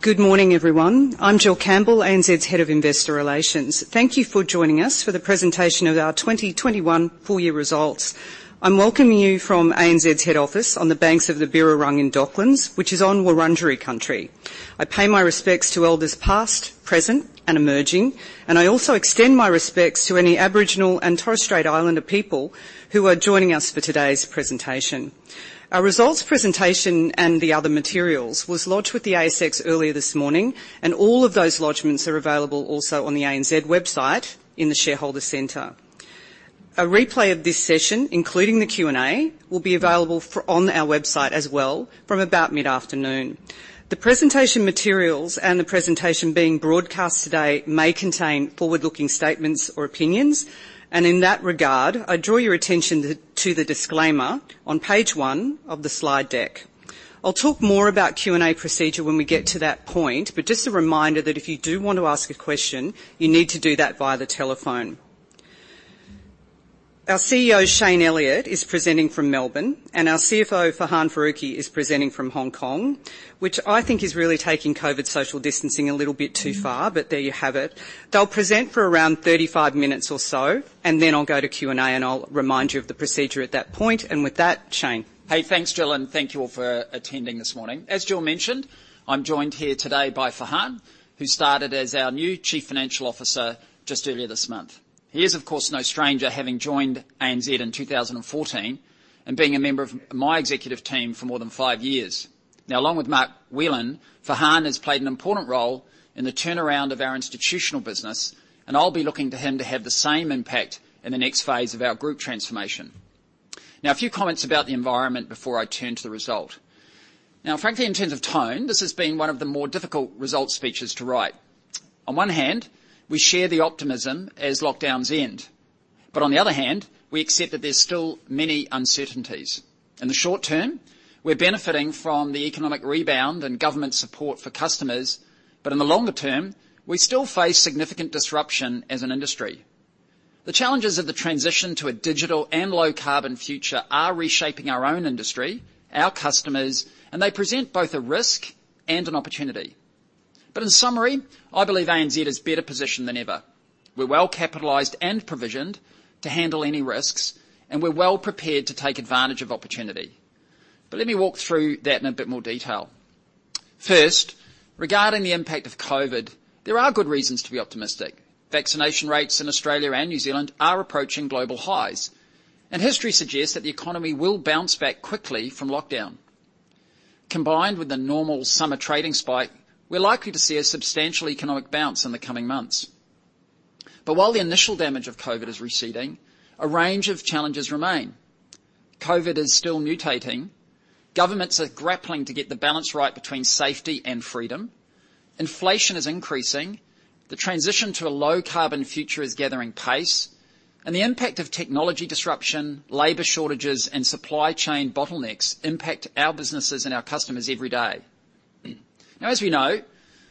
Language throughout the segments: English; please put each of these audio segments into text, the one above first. Good morning, everyone. I'm Jill Campbell, ANZ's head of investor relations. Thank you for joining us for the presentation of our 2021 full year results. I'm welcoming you from ANZ's head office on the banks of the Birrarung in Docklands, which is on Wurundjeri country. I pay my respects to elders past, present, and emerging, and I also extend my respects to any Aboriginal and Torres Strait Islander people who are joining us for today's presentation. Our results presentation and the other materials was lodged with the ASX earlier this morning, and all of those lodgements are available also on the ANZ website in the shareholder center. A replay of this session, including the Q&A, will be available on our website as well from about mid-afternoon. The presentation materials and the presentation being broadcast today may contain forward-looking statements or opinions. In that regard, I draw your attention to the disclaimer on page one of the slide deck. I'll talk more about Q&A procedure when we get to that point, but just a reminder that if you do want to ask a question, you need to do that via the telephone. Our CEO, Shayne Elliott, is presenting from Melbourne, and our CFO, Farhan Faruqui, is presenting from Hong Kong, which I think is really taking COVID social distancing a little bit too far, but there you have it. They'll present for around 35 minutes or so, and then I'll go to Q&A, and I'll remind you of the procedure at that point. With that, Shayne. Hey, thanks, Jill, and thank you all for attending this morning. As Jill mentioned, I'm joined here today by Farhan, who started as our new Chief Financial Officer just earlier this month. He is, of course, no stranger, having joined ANZ in 2014, and being a member of my Executive Team for more than five years. Now, along with Mark Whelan, Farhan has played an important role in the turnaround of our institutional business, and I'll be looking to him to have the same impact in the next phase of our group transformation. Now, a few comments about the environment before I turn to the result. Now, frankly, in terms of tone, this has been one of the more difficult result speeches to write. On one hand, we share the optimism as lockdowns end. On the other hand, we accept that there's still many uncertainties. In the short term, we're benefiting from the economic rebound and government support for customers, but in the longer term, we still face significant disruption as an industry. The challenges of the transition to a digital and low-carbon future are reshaping our own industry, our customers, and they present both a risk and an opportunity. In summary, I believe ANZ is better positioned than ever. We're well-capitalized and provisioned to handle any risks, and we're well-prepared to take advantage of opportunity. Let me walk through that in a bit more detail. First, regarding the impact of COVID, there are good reasons to be optimistic. Vaccination rates in Australia and New Zealand are approaching global highs. History suggests that the economy will bounce back quickly from lockdown. Combined with the normal summer trading spike, we're likely to see a substantial economic bounce in the coming months. While the initial damage of COVID is receding, a range of challenges remain. COVID is still mutating. Governments are grappling to get the balance right between safety and freedom. Inflation is increasing. The transition to a low-carbon future is gathering pace, and the impact of technology disruption, labor shortages, and supply chain bottlenecks impact our businesses and our customers every day. Now, as we know,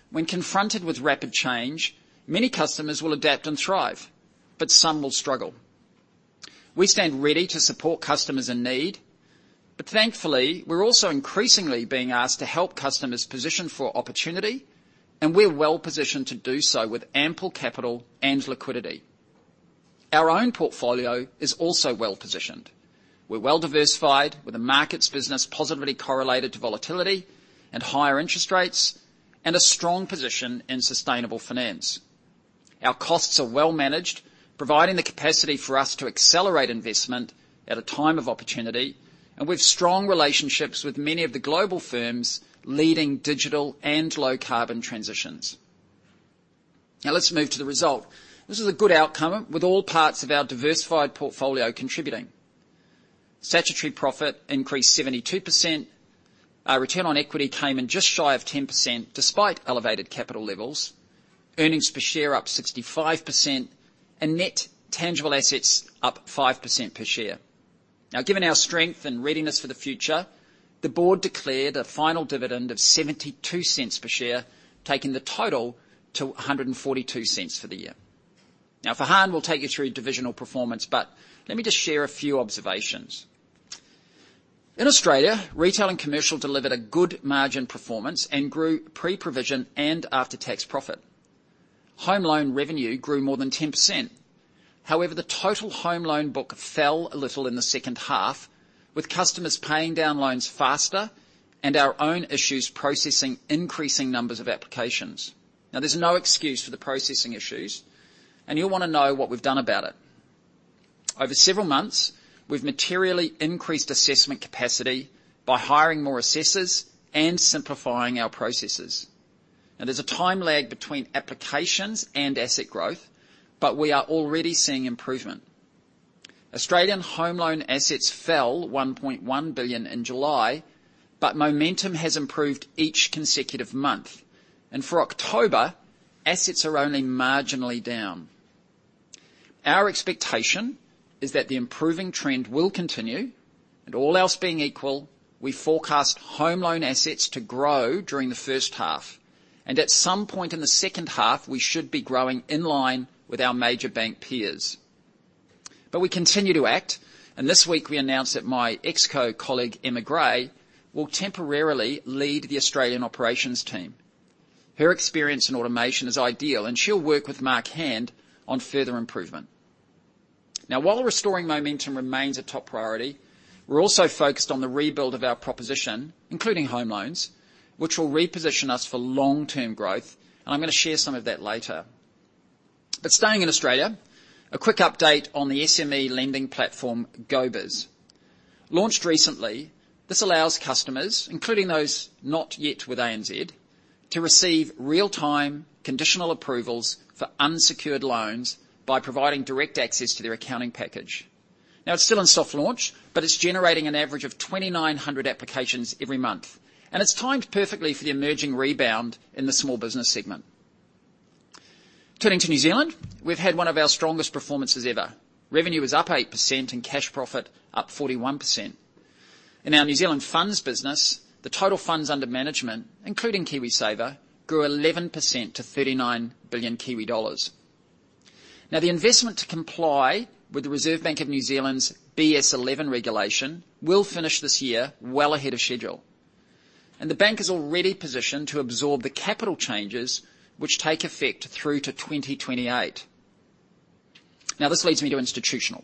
when confronted with rapid change, many customers will adapt and thrive, but some will struggle. We stand ready to support customers in need, but thankfully, we're also increasingly being asked to help customers position for opportunity, and we're well-positioned to do so with ample capital and liquidity. Our own portfolio is also well-positioned. We're well-diversified with the markets business positively correlated to volatility and higher interest rates and a strong position in sustainable finance. Our costs are well managed, providing the capacity for us to accelerate investment at a time of opportunity, and with strong relationships with many of the global firms leading digital and low-carbon transitions. Now, let's move to the result. This is a good outcome with all parts of our diversified portfolio contributing. Statutory profit increased 72%. Our return on equity came in just shy of 10% despite elevated capital levels. Earnings per share up 65% and net tangible assets up 5% per share. Now, given our strength and readiness for the future, the board declared a final dividend of 0.72 per share, taking the total to 1.42 for the year. Now, Farhan will take you through divisional performance, but let me just share a few observations. In Australia, retail and commercial delivered a good margin performance and grew pre-provision and after-tax profit. Home loan revenue grew more than 10%. However, the total home loan book fell a little in the H2, with customers paying down loans faster and our own issues processing increasing numbers of applications. Now, there's no excuse for the processing issues, and you'll wanna know what we've done about it. Over several months, we've materially increased assessment capacity by hiring more assessors and simplifying our processes. Now, there's a time lag between applications and asset growth, but we are already seeing improvement. Australian home loan assets fell 1.1 billion in July, but momentum has improved each consecutive month. For October, assets are only marginally down. Our expectation is that the improving trend will continue and, all else being equal, we forecast home loan assets to grow during the H1. At some point in the H2, we should be growing in line with our major bank peers. We continue to act, and this week we announced that my ExCo colleague, Emma Gray, will temporarily lead the Australian operations team. Her experience in automation is ideal, and she'll work with Mark Hand on further improvement. Now, while restoring momentum remains a top priority, we're also focused on the rebuild of our proposition, including home loans, which will reposition us for long-term growth, and I'm gonna share some of that later. Staying in Australia, a quick update on the SME lending platform, GoBiz. Launched recently, this allows customers, including those not yet with ANZ, to receive real-time conditional approvals for unsecured loans by providing direct access to their accounting package. Now, it's still in soft launch, but it's generating an average of 2,900 applications every month, and it's timed perfectly for the emerging rebound in the small business segment. Turning to New Zealand, we've had one of our strongest performances ever. Revenue is up 8% and cash profit up 41%. In our New Zealand funds business, the total funds under management, including KiwiSaver, grew 11% to 39 billion Kiwi dollars. Now, the investment to comply with the Reserve Bank of New Zealand's BS11 regulation will finish this year well ahead of schedule, and the bank is already positioned to absorb the capital changes which take effect through to 2028. Now, this leads me to Institutional.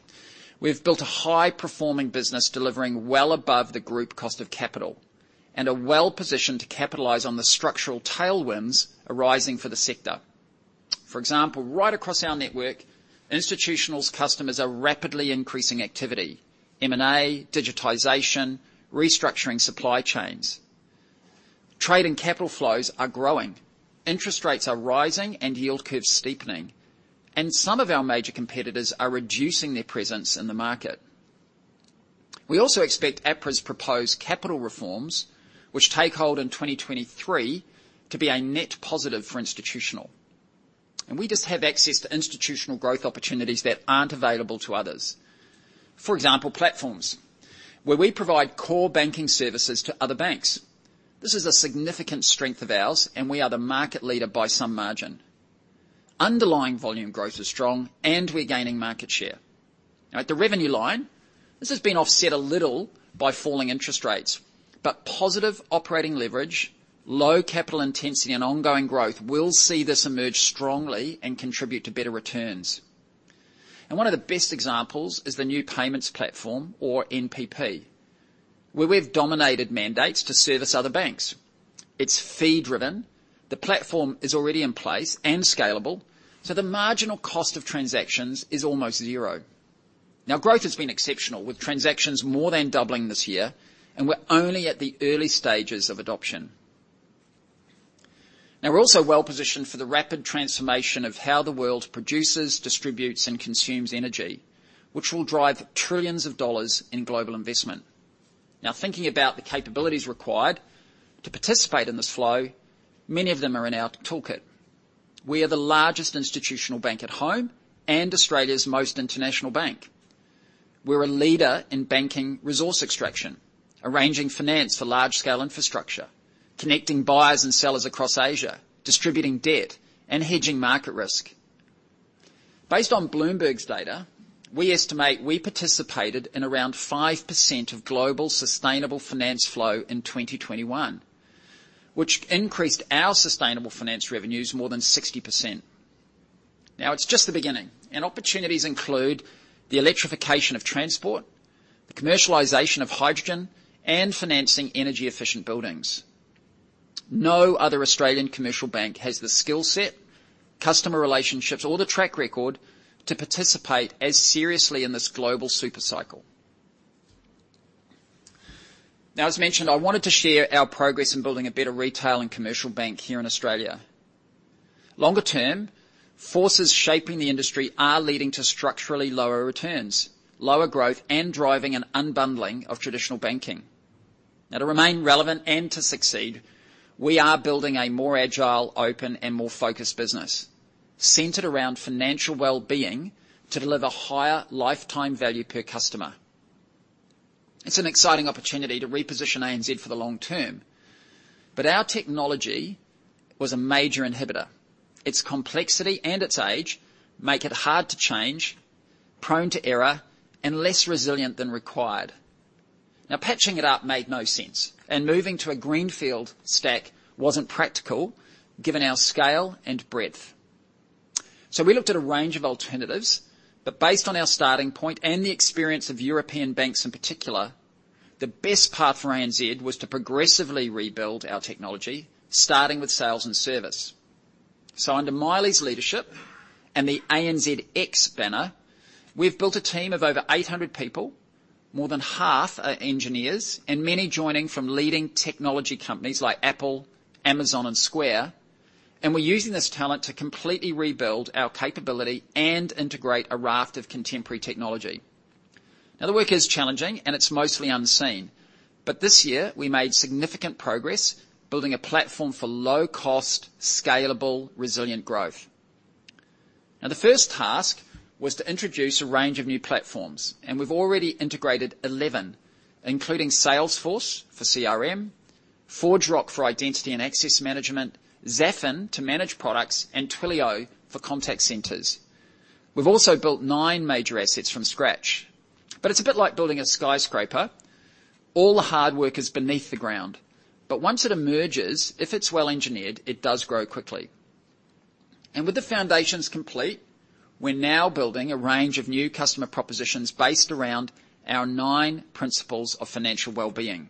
We've built a high-performing business, delivering well above the group cost of capital, and are well-positioned to capitalize on the structural tailwinds arising for the sector. For example, right across our network, institutional customers are rapidly increasing activity, M&A, digitization, restructuring supply chains. Trade and capital flows are growing. Interest rates are rising and yield curves steepening, and some of our major competitors are reducing their presence in the market. We also expect APRA's proposed capital reforms, which take hold in 2023, to be a net positive for Institutional. We just have access to Institutional growth opportunities that aren't available to others. For example, platforms, where we provide core banking services to other banks. This is a significant strength of ours, and we are the market leader by some margin. Underlying volume growth is strong and we're gaining market share. Now, at the revenue line, this has been offset a little by falling interest rates, but positive operating leverage, low capital intensity, and ongoing growth will see this emerge strongly and contribute to better returns. One of the best examples is the New Payments Platform or NPP, where we've dominated mandates to service other banks. It's fee-driven. The platform is already in place and scalable, so the marginal cost of transactions is almost zero. Now, growth has been exceptional, with transactions more than doubling this year, and we're only at the early stages of adoption. Now, we're also well-positioned for the rapid transformation of how the world produces, distributes, and consumes energy, which will drive trillions of dollars in global investment. Now, thinking about the capabilities required to participate in this flow, many of them are in our toolkit. We are the largest institutional bank at home and Australia's most international bank. We're a leader in banking resource extraction, arranging finance for large-scale infrastructure, connecting buyers and sellers across Asia, distributing debt, and hedging market risk. Based on Bloomberg's data, we estimate we participated in around 5% of global sustainable finance flow in 2021, which increased our sustainable finance revenues more than 60%. Now, it's just the beginning, and opportunities include the electrification of transport, the commercialization of hydrogen, and financing energy-efficient buildings. No other Australian commercial bank has the skill set, customer relationships, or the track record to participate as seriously in this global super cycle. Now, as mentioned, I wanted to share our progress in building a better retail and commercial bank here in Australia. Longer term, forces shaping the industry are leading to structurally lower returns, lower growth, and driving an unbundling of traditional banking. Now, to remain relevant and to succeed, we are building a more agile, open, and more focused business centered around financial wellbeing to deliver higher lifetime value per customer. It's an exciting opportunity to reposition ANZ for the long term, but our technology was a major inhibitor. Its complexity and its age make it hard to change, prone to error, and less resilient than required. Now, patching it up made no sense, and moving to a greenfield stack wasn't practical given our scale and breadth. We looked at a range of alternatives, but based on our starting point and the experience of European banks in particular, the best path for ANZ was to progressively rebuild our technology, starting with sales and service. Under Maile's leadership and the ANZx banner, we've built a team of over 800 people. More than half are engineers and many joining from leading technology companies like Apple, Amazon, and Square. We're using this talent to completely rebuild our capability and integrate a raft of contemporary technology. Now, the work is challenging, and it's mostly unseen, but this year we made significant progress building a platform for low-cost, scalable, resilient growth. Now, the first task was to introduce a range of new platforms, and we've already integrated 11, including Salesforce for CRM, ForgeRock for identity and access management, Zafin to manage products, and Twilio for contact centers. We've also built nine major assets from scratch. It's a bit like building a skyscraper. All the hard work is beneath the ground. Once it emerges, if it's well-engineered, it does grow quickly. With the foundations complete, we're now building a range of new customer propositions based around our nine principles of financial well-being.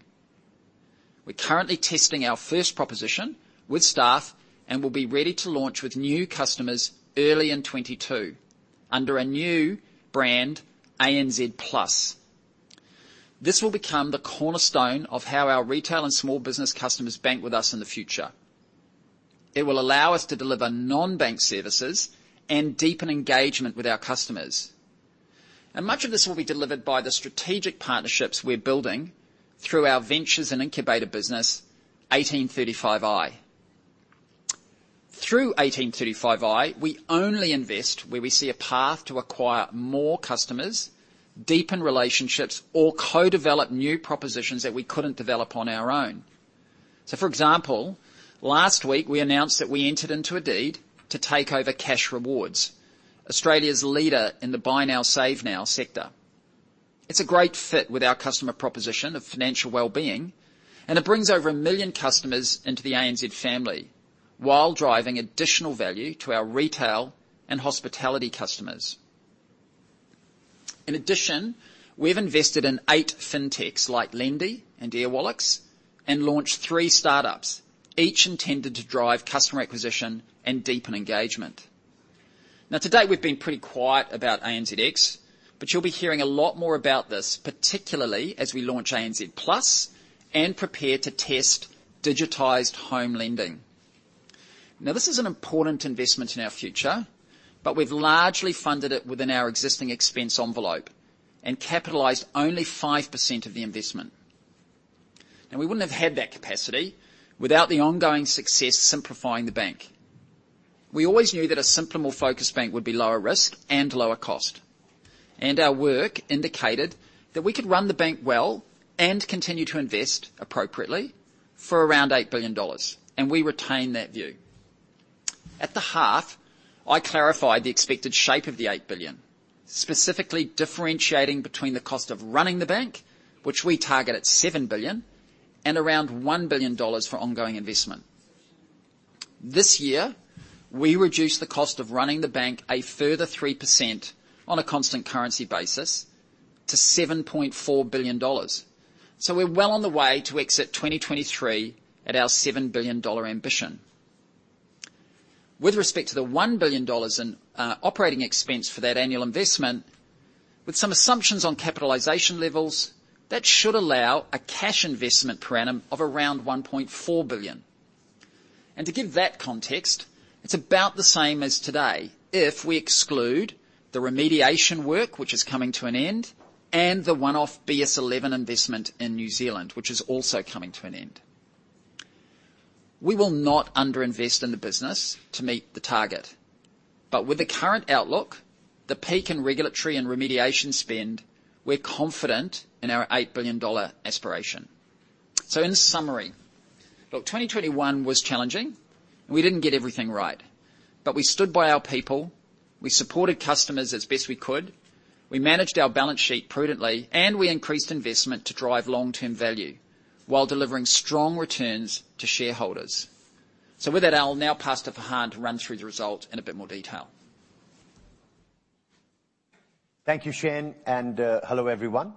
We're currently testing our first proposition with staff, and we'll be ready to launch with new customers early in 2022 under a new brand, ANZ Plus. This will become the cornerstone of how our retail and small business customers bank with us in the future. It will allow us to deliver non-bank services and deepen engagement with our customers. Much of this will be delivered by the strategic partnerships we're building through our ventures and incubator business, 1835i. Through 1835i, we only invest where we see a path to acquire more customers, deepen relationships, or co-develop new propositions that we couldn't develop on our own. For example, last week we announced that we entered into a deed to take over Cashrewards, Australia's leader in the buy now, save now sector. It's a great fit with our customer proposition of financial well-being, and it brings over 1 million customers into the ANZ family while driving additional value to our retail and hospitality customers. In addition, we've invested in eight fintechs like Lendi and Airwallex, and launched three startups, each intended to drive customer acquisition and deepen engagement. Now to date, we've been pretty quiet about ANZx, but you'll be hearing a lot more about this, particularly as we launch ANZ Plus and prepare to test digitized home lending. Now, this is an important investment in our future, but we've largely funded it within our existing expense envelope and capitalized only 5% of the investment. Now, we wouldn't have had that capacity without the ongoing success simplifying the bank. We always knew that a simpler, more focused bank would be lower risk and lower cost. Our work indicated that we could run the bank well and continue to invest appropriately for around 8 billion dollars, and we retain that view. At the half, I clarified the expected shape of the 8 billion, specifically differentiating between the cost of running the bank, which we target at 7 billion, and around 1 billion dollars for ongoing investment. This year, we reduced the cost of running the bank a further 3% on a constant currency basis to 7.4 billion dollars. We're well on the way to exit 2023 at our 7 billion dollar ambition. With respect to the 1 billion dollars in operating expense for that annual investment, with some assumptions on capitalization levels, that should allow a cash investment per annum of around 1.4 billion. To give that context, it's about the same as today if we exclude the remediation work, which is coming to an end, and the one-off BS11 investment in New Zealand, which is also coming to an end. We will not under-invest in the business to meet the target. With the current outlook, the peak in regulatory and remediation spend, we're confident in our 8 billion dollar aspiration. In summary, look, 2021 was challenging, and we didn't get everything right. We stood by our people, we supported customers as best we could, we managed our balance sheet prudently, and we increased investment to drive long-term value while delivering strong returns to shareholders. With that, I'll now pass to Farhan to run through the results in a bit more detail. Thank you, Shayne, and hello, everyone.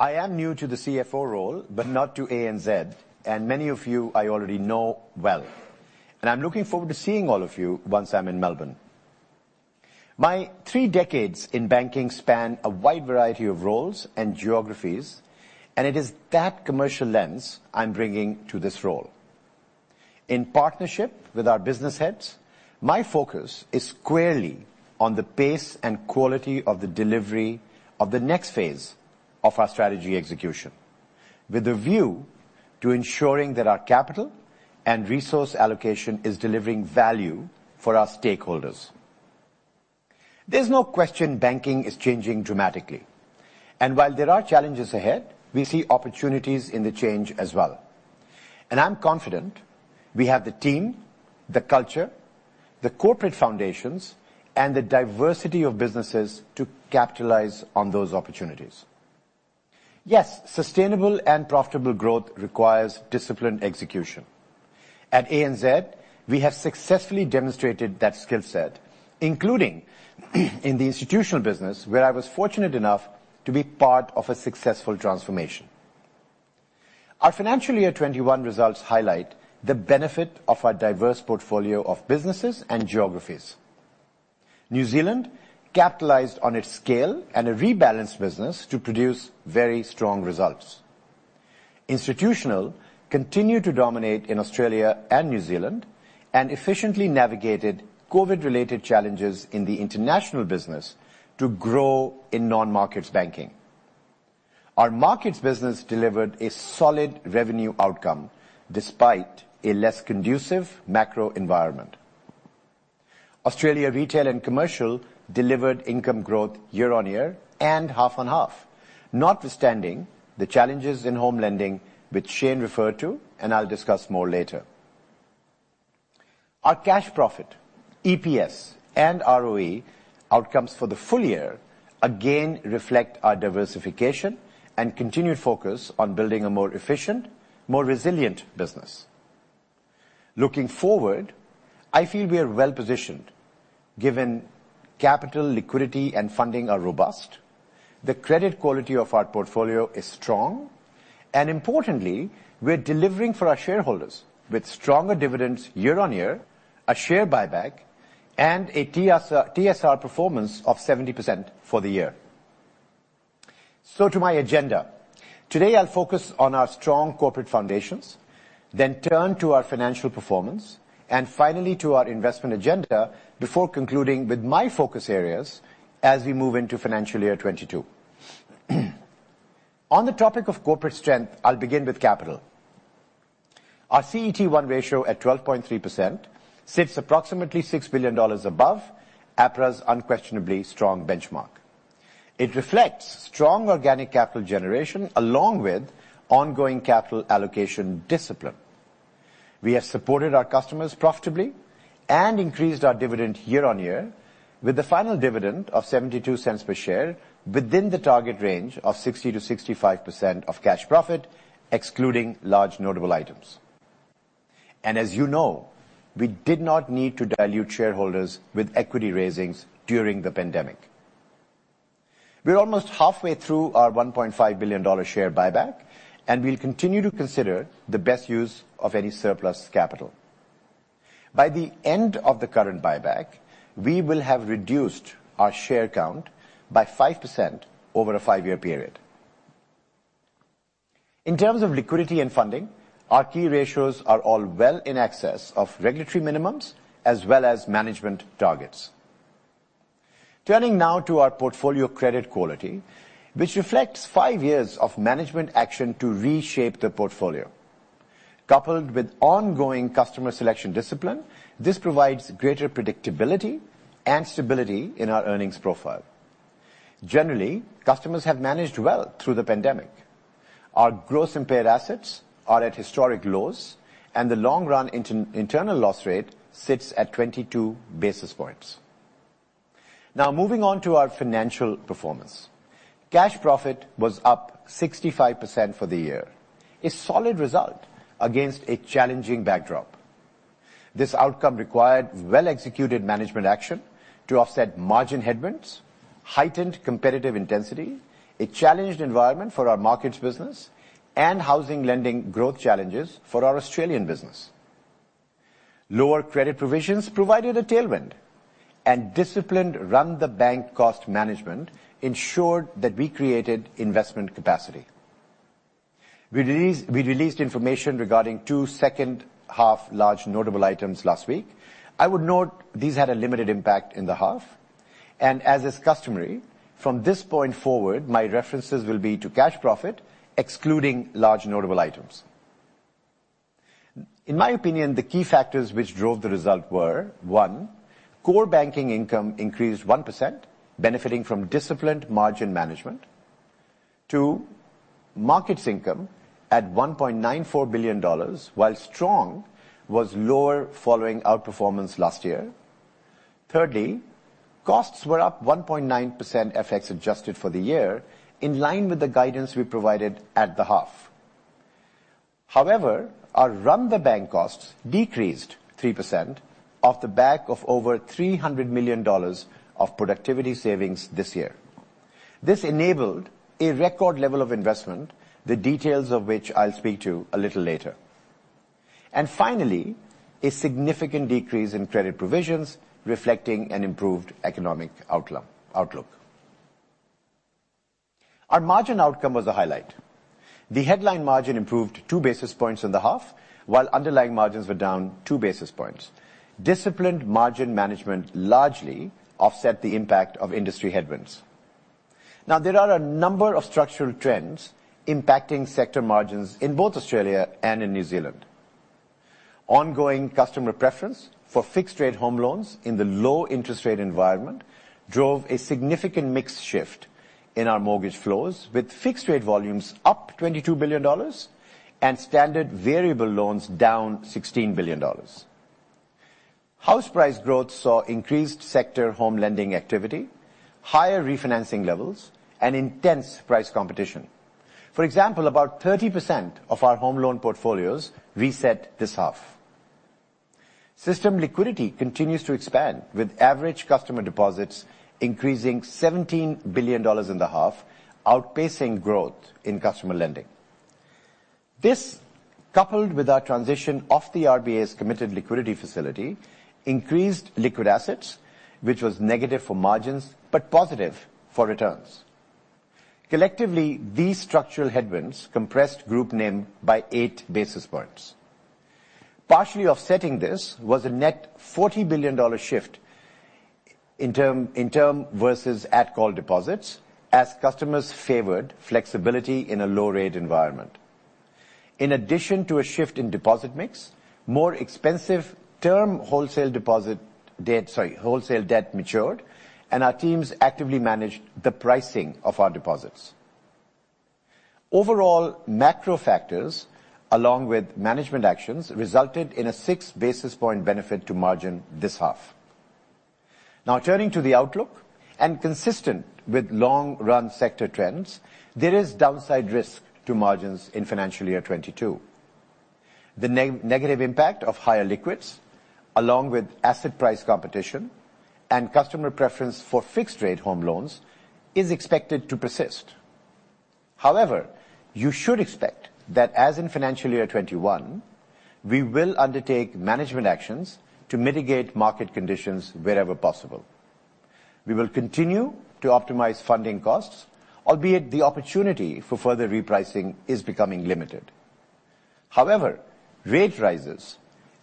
I am new to the CFO role, but not to ANZ, and many of you I already know well. I'm looking forward to seeing all of you once I'm in Melbourne. My three decades in banking span a wide variety of roles and geographies, and it is that commercial lens I'm bringing to this role. In partnership with our business heads, my focus is squarely on the pace and quality of the delivery of the next phase of our strategy execution, with a view to ensuring that our capital and resource allocation is delivering value for our stakeholders. There's no question banking is changing dramatically, and while there are challenges ahead, we see opportunities in the change as well. I'm confident we have the team, the culture, the corporate foundations, and the diversity of businesses to capitalize on those opportunities. Yes, sustainable and profitable growth requires disciplined execution. At ANZ, we have successfully demonstrated that skill set, including in the institutional business, where I was fortunate enough to be part of a successful transformation. Our financial year 2021 results highlight the benefit of our diverse portfolio of businesses and geographies. New Zealand capitalized on its scale and a rebalanced business to produce very strong results. Institutional continued to dominate in Australia and New Zealand, and efficiently navigated COVID-related challenges in the international business to grow in non-markets banking. Our markets business delivered a solid revenue outcome despite a less conducive macro environment. Australia Retail and Commercial delivered income growth year-over-year and half-on-half, notwithstanding the challenges in home lending, which Shayne referred to, and I'll discuss more later. Our cash profit, EPS, and ROE outcomes for the full year again reflect our diversification and continued focus on building a more efficient, more resilient business. Looking forward, I feel we are well-positioned given capital liquidity and funding are robust, the credit quality of our portfolio is strong, and importantly, we're delivering for our shareholders with stronger dividends year on year, a share buyback, and a TSR performance of 70% for the year. To my agenda. Today I'll focus on our strong corporate foundations, then turn to our financial performance, and finally to our investment agenda before concluding with my focus areas as we move into FY 2022. On the topic of corporate strength, I'll begin with capital. Our CET1 ratio at 12.3% sits approximately 6 billion dollars above APRA's unquestionably strong benchmark. It reflects strong organic capital generation along with ongoing capital allocation discipline. We have supported our customers profitably and increased our dividend year on year with the final dividend of 0.72 per share within the target range of 60%-65% of cash profit, excluding large notable items. As you know, we did not need to dilute shareholders with equity raisings during the pandemic. We're almost halfway through our 1.5 billion dollar share buyback, and we'll continue to consider the best use of any surplus capital. By the end of the current buyback, we will have reduced our share count by 5% over a five-year period. In terms of liquidity and funding, our key ratios are all well in excess of regulatory minimums as well as management targets. Turning now to our portfolio credit quality, which reflects five years of management action to reshape the portfolio. Coupled with ongoing customer selection discipline, this provides greater predictability and stability in our earnings profile. Generally, customers have managed well through the pandemic. Our gross impaired assets are at historic lows, and the long-run internal loss rate sits at 22 basis points. Now moving on to our financial performance. Cash profit was up 65% for the year, a solid result against a challenging backdrop. This outcome required well-executed management action to offset margin headwinds, heightened competitive intensity, a challenged environment for our markets business, and housing lending growth challenges for our Australian business. Lower credit provisions provided a tailwind, and disciplined run-the-bank cost management ensured that we created investment capacity. We released information regarding to H2 large notable items last week. I would note these had a limited impact in the half. As is customary, from this point forward, my references will be to cash profit, excluding large notable items. In my opinion, the key factors which drove the result were, one, core banking income increased 1%, benefiting from disciplined margin management. Two, markets income at 1.94 billion dollars, while strong, was lower following outperformance last year. Thirdly, costs were up 1.9% FX adjusted for the year, in line with the guidance we provided at the half. However, our run-the-bank costs decreased 3% off the back of over 300 million dollars of productivity savings this year. This enabled a record level of investment, the details of which I'll speak to a little later. Finally, a significant decrease in credit provisions reflecting an improved economic outlook. Our margin outcome was a highlight. The headline margin improved two basis points in the half, while underlying margins were down two basis points. Disciplined margin management largely offset the impact of industry headwinds. Now, there are a number of structural trends impacting sector margins in both Australia and in New Zealand. Ongoing customer preference for fixed-rate home loans in the low interest rate environment drove a significant mix shift in our mortgage flows, with fixed-rate volumes up 22 billion dollars and standard variable loans down 16 billion dollars. House price growth saw increased sector home lending activity, higher refinancing levels, and intense price competition. For example, about 30% of our home loan portfolios reset this half. System liquidity continues to expand, with average customer deposits increasing 17 billion dollars in the half, outpacing growth in customer lending. This, coupled with our transition off the RBA's committed liquidity facility, increased liquid assets, which was negative for margins but positive for returns. Collectively, these structural headwinds compressed group NIM by eight basis points. Partially offsetting this was a net 40 billion dollar shift in term versus at-call deposits as customers favored flexibility in a low-rate environment. In addition to a shift in deposit mix, more expensive term wholesale debt matured, and our teams actively managed the pricing of our deposits. Overall macro factors along with management actions resulted in a six basis point benefit to margin this half. Now, turning to the outlook and consistent with long run sector trends, there is downside risk to margins in financial year 2022. The negative impact of higher liquids, along with asset price competition and customer preference for fixed rate home loans is expected to persist. However, you should expect that as in FY 2021, we will undertake management actions to mitigate market conditions wherever possible. We will continue to optimize funding costs, albeit the opportunity for further repricing is becoming limited. However, rate rises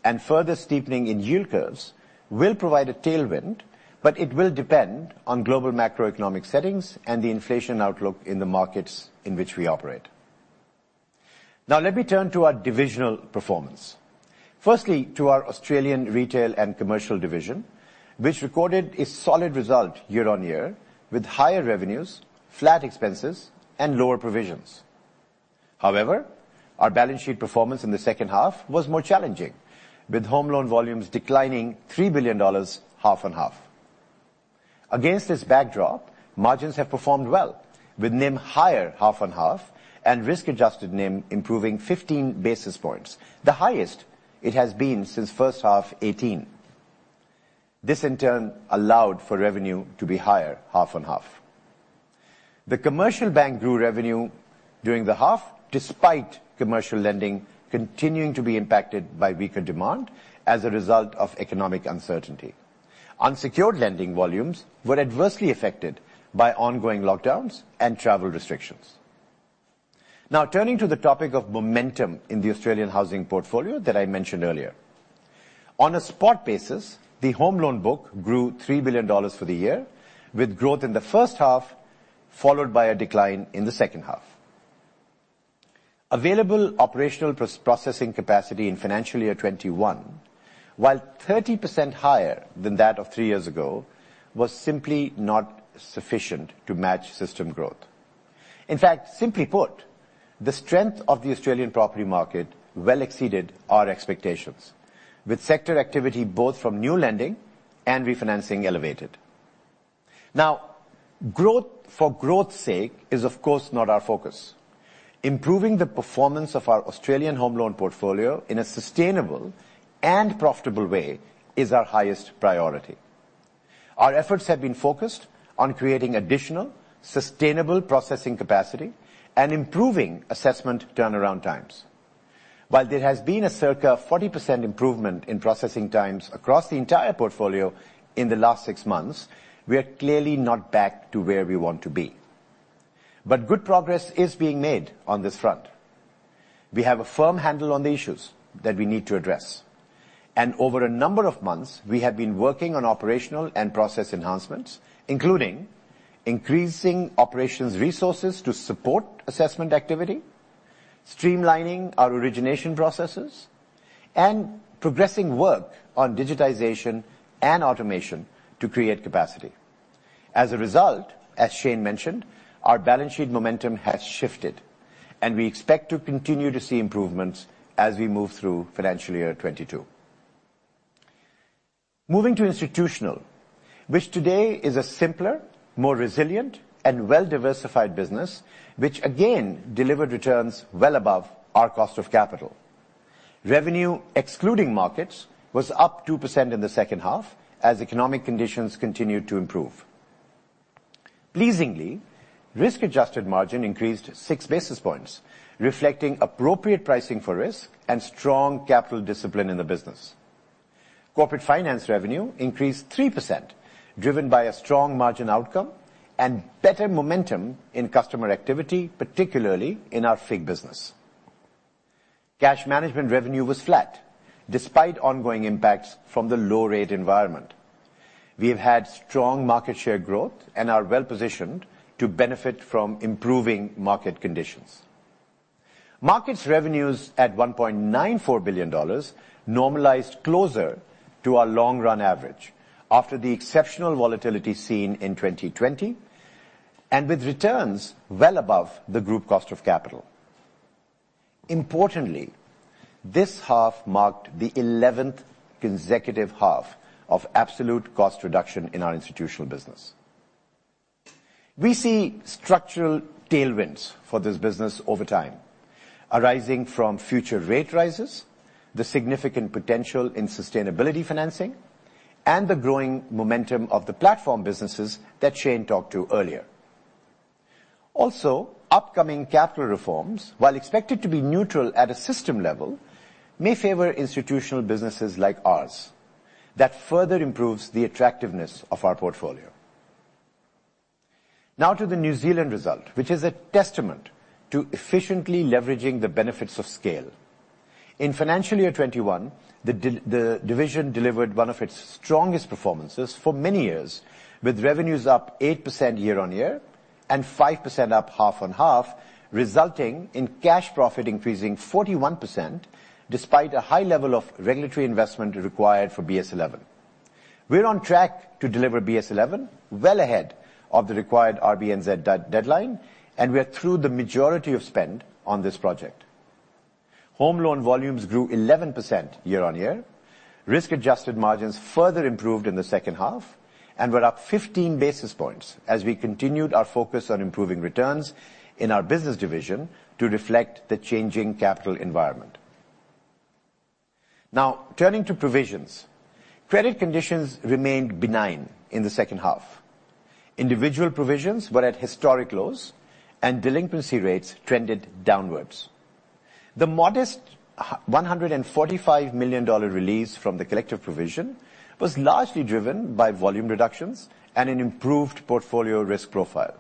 and further steepening in yield curves will provide a tailwind, but it will depend on global macroeconomic settings and the inflation outlook in the markets in which we operate. Now let me turn to our divisional performance. First, to our Australian Retail and Commercial Division, which recorded a solid result year-on-year, with higher revenues, flat expenses, and lower provisions. However, our balance sheet performance in the H2 was more challenging, with home loan volumes declining 3 billion dollars half-on-half. Against this backdrop, margins have performed well, with NIM higher half on half and risk-adjusted NIM improving 15 basis points, the highest it has been since H1 2018. This in turn allowed for revenue to be higher half on half. The commercial bank grew revenue during the half, despite commercial lending continuing to be impacted by weaker demand as a result of economic uncertainty. Unsecured lending volumes were adversely affected by ongoing lockdowns and travel restrictions. Now turning to the topic of momentum in the Australian housing portfolio that I mentioned earlier. On a spot basis, the home loan book grew 3 billion dollars for the year, with growth in the H1, followed by a decline in the H2. Available operational pre-processing capacity in FY 2021, while 30% higher than that of three years ago, was simply not sufficient to match system growth. In fact, simply put, the strength of the Australian property market well exceeded our expectations, with sector activity both from new lending and refinancing elevated. Now, growth for growth's sake is, of course, not our focus. Improving the performance of our Australian home loan portfolio in a sustainable and profitable way is our highest priority. Our efforts have been focused on creating additional, sustainable processing capacity and improving assessment turnaround times. While there has been a circa 40% improvement in processing times across the entire portfolio in the last six months, we are clearly not back to where we want to be. Good progress is being made on this front. We have a firm handle on the issues that we need to address, and over a number of months, we have been working on operational and process enhancements, including increasing operations resources to support assessment activity, streamlining our origination processes, and progressing work on digitization and automation to create capacity. As a result, as Shayne mentioned, our balance sheet momentum has shifted, and we expect to continue to see improvements as we move through financial year 2022. Moving to Institutional, which today is a simpler, more resilient, and well-diversified business, which again delivered returns well above our cost of capital. Revenue, excluding markets, was up 2% in the H2 as economic conditions continued to improve. Pleasingly, risk-adjusted margin increased six basis points, reflecting appropriate pricing for risk and strong capital discipline in the business. Corporate finance revenue increased 3%, driven by a strong margin outcome and better momentum in customer activity, particularly in our FIG business. Cash management revenue was flat, despite ongoing impacts from the low rate environment. We have had strong market share growth and are well positioned to benefit from improving market conditions. Markets revenues at 1.94 billion dollars normalized closer to our long-run average after the exceptional volatility seen in 2020, and with returns well above the group cost of capital. Importantly, this half marked the eleventh consecutive half of absolute cost reduction in our institutional business. We see structural tailwinds for this business over time, arising from future rate rises, the significant potential in sustainability financing, and the growing momentum of the platform businesses that Shayne talked to earlier. Also, upcoming capital reforms, while expected to be neutral at a system level, may favor institutional businesses like ours. That further improves the attractiveness of our portfolio. Now to the New Zealand result, which is a testament to efficiently leveraging the benefits of scale. In financial year 2021, the division delivered one of its strongest performances for many years, with revenues up 8% year-on-year and 5% up half-on-half, resulting in cash profit increasing 41% despite a high level of regulatory investment required for BS11. We're on track to deliver BS11 well ahead of the required RBNZ deadline, and we are through the majority of spend on this project. Home loan volumes grew 11% year-on-year. Risk-adjusted margins further improved in the H2 and were up 15 basis points as we continued our focus on improving returns in our business division to reflect the changing capital environment. Now turning to provisions. Credit conditions remained benign in the H2. Individual provisions were at historic lows and delinquency rates trended downwards. The modest one hundred and forty-five million dollar release from the collective provision was largely driven by volume reductions and an improved portfolio risk profile.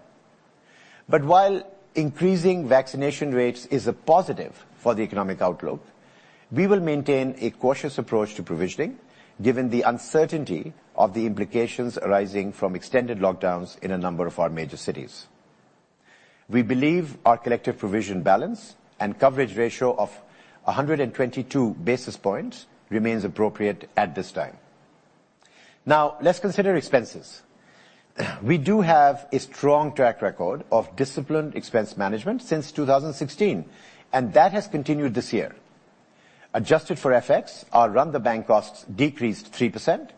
While increasing vaccination rates is a positive for the economic outlook, we will maintain a cautious approach to provisioning given the uncertainty of the implications arising from extended lockdowns in a number of our major cities. We believe our collective provision balance and coverage ratio of 122 basis points remains appropriate at this time. Now let's consider expenses. We do have a strong track record of disciplined expense management since 2016, and that has continued this year. Adjusted for FX, our run the bank costs decreased 3%,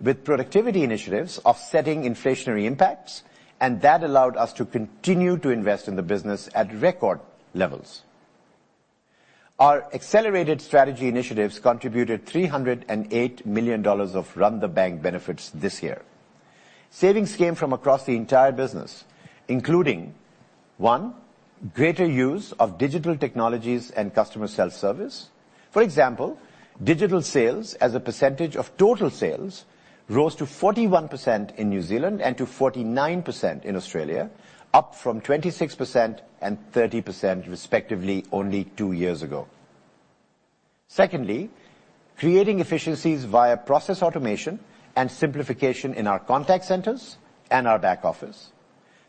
with productivity initiatives offsetting inflationary impacts, and that allowed us to continue to invest in the business at record levels. Our accelerated strategy initiatives contributed 308 million dollars of run the bank benefits this year. Savings came from across the entire business, including, one, greater use of digital technologies and customer self-service. For example, digital sales as a percentage of total sales rose to 41% in New Zealand and to 49% in Australia, up from 26% and 30% respectively only two years ago. Secondly, creating efficiencies via process automation and simplification in our contact centers and our back office.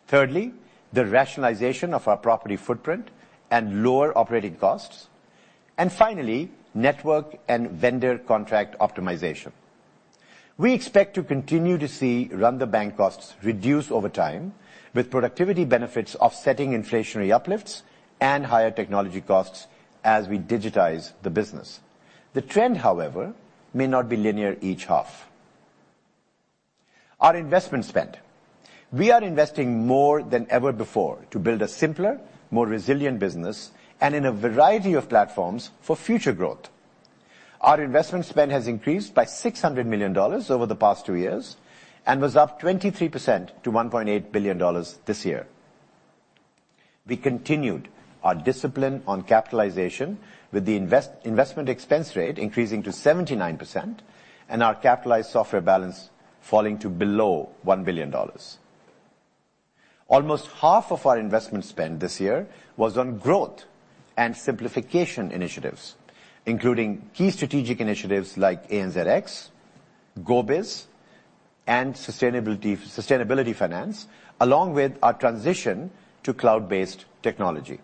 Thirdly, the rationalization of our property footprint and lower operating costs. Finally, network and vendor contract optimization. We expect to continue to see run the bank costs reduce over time with productivity benefits offsetting inflationary uplifts and higher technology costs as we digitize the business. The trend, however, may not be linear each half. Our investment spend. We are investing more than ever before to build a simpler, more resilient business and in a variety of platforms for future growth. Our investment spend has increased by 600 million dollars over the past two years, and was up 23% to 1.8 billion dollars this year. We continued our discipline on capitalization with the investment expense rate increasing to 79% and our capitalized software balance falling to below 1 billion dollars. Almost half of our investment spend this year was on growth and simplification initiatives, including key strategic initiatives like ANZx, GoBiz, and sustainability finance, along with our transition to cloud-based technology.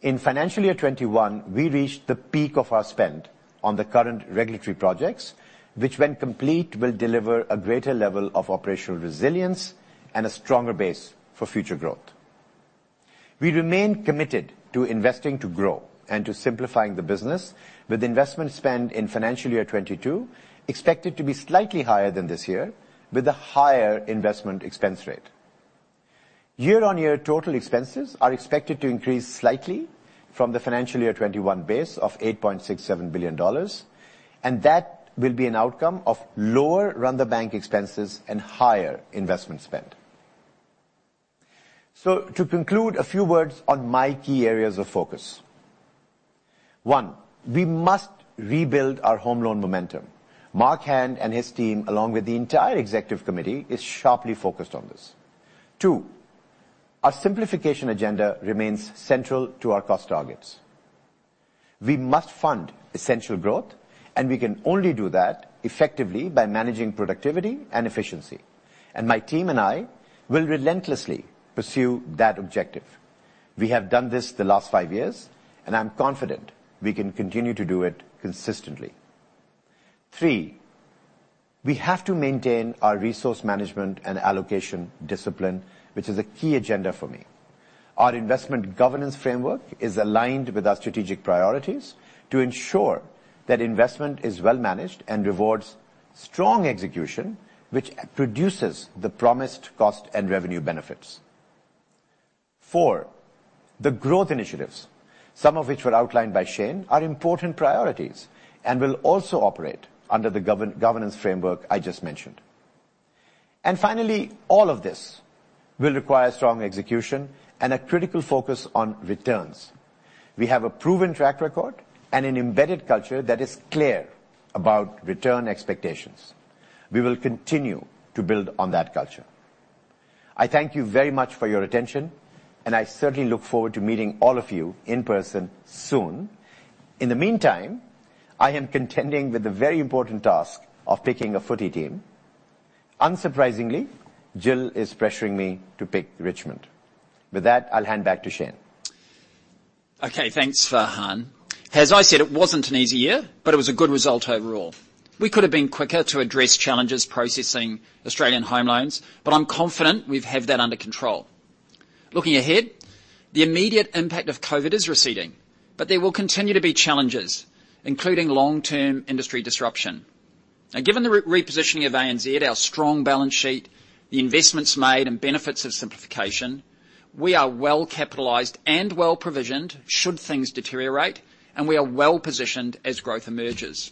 In financial year 2021, we reached the peak of our spend on the current regulatory projects, which when complete, will deliver a greater level of operational resilience and a stronger base for future growth. We remain committed to investing to grow and to simplifying the business with investment spend in financial year 2022 expected to be slightly higher than this year with a higher investment expense rate. Year-on-year total expenses are expected to increase slightly from the financial year 2021 base of 8.67 billion dollars, and that will be an outcome of lower run-the-bank expenses and higher investment spend. To conclude, a few words on my key areas of focus. One, we must rebuild our home loan momentum. Mark Hand and his team, along with the entire Executive Committee, is sharply focused on this. Two, our simplification agenda remains central to our cost targets. We must fund essential growth, and we can only do that effectively by managing productivity and efficiency. My team and I will relentlessly pursue that objective. We have done this the last five years, and I'm confident we can continue to do it consistently. Three, we have to maintain our resource management and allocation discipline, which is a key agenda for me. Our investment governance framework is aligned with our strategic priorities to ensure that investment is well managed and rewards strong execution, which produces the promised cost and revenue benefits. Four, the growth initiatives, some of which were outlined by Shayne, are important priorities and will also operate under the governance framework I just mentioned. Finally, all of this will require strong execution and a critical focus on returns. We have a proven track record and an embedded culture that is clear about return expectations. We will continue to build on that culture. I thank you very much for your attention, and I certainly look forward to meeting all of you in person soon. In the meantime, I am contending with the very important task of picking a footy team. Unsurprisingly, Jill is pressuring me to pick Richmond. With that, I'll hand back to Shayne. Okay, thanks, Farhan. As I said, it wasn't an easy year, but it was a good result overall. We could have been quicker to address challenges processing Australian home loans, but I'm confident we have that under control. Looking ahead, the immediate impact of COVID is receding, but there will continue to be challenges, including long-term industry disruption. Now, given the repositioning of ANZ, our strong balance sheet, the investments made and benefits of simplification, we are well capitalized and well provisioned should things deteriorate, and we are well-positioned as growth emerges.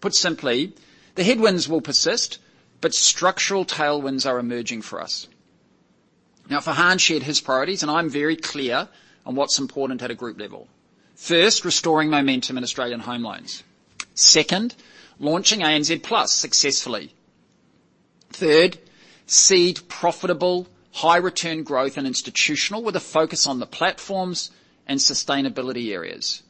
Put simply, the headwinds will persist, but structural tailwinds are emerging for us. Now, Farhan shared his priorities, and I'm very clear on what's important at a group level. First, restoring momentum in Australian home loans. Second, launching ANZ Plus successfully. Third, seek profitable, high return growth in institutional with a focus on the platforms and sustainability areas.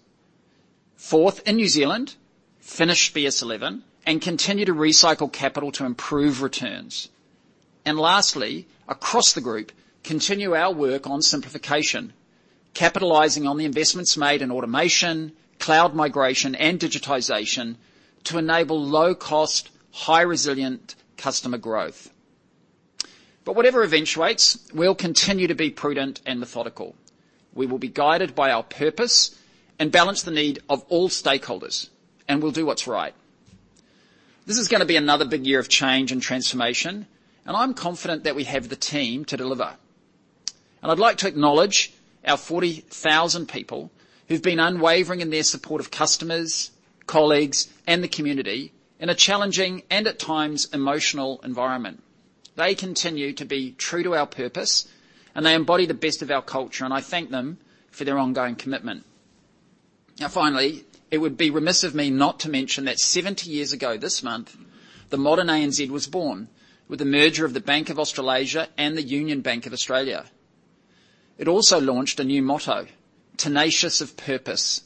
Fourth, in New Zealand, finish BS11 and continue to recycle capital to improve returns. Lastly, across the group, continue our work on simplification, capitalizing on the investments made in automation, cloud migration, and digitization to enable low-cost, high resilient customer growth. Whatever eventuates, we'll continue to be prudent and methodical. We will be guided by our purpose and balance the need of all stakeholders, and we'll do what's right. This is gonna be another big year of change and transformation, and I'm confident that we have the team to deliver. I'd like to acknowledge our 40,000 people who've been unwavering in their support of customers, colleagues, and the community in a challenging and at times, emotional environment. They continue to be true to our purpose, and they embody the best of our culture, and I thank them for their ongoing commitment. Now, finally, it would be remiss of me not to mention that 70 years ago this month, the modern ANZ was born with the merger of the Bank of Australasia and the Union Bank of Australia. It also launched a new motto, Tenacious of Purpose,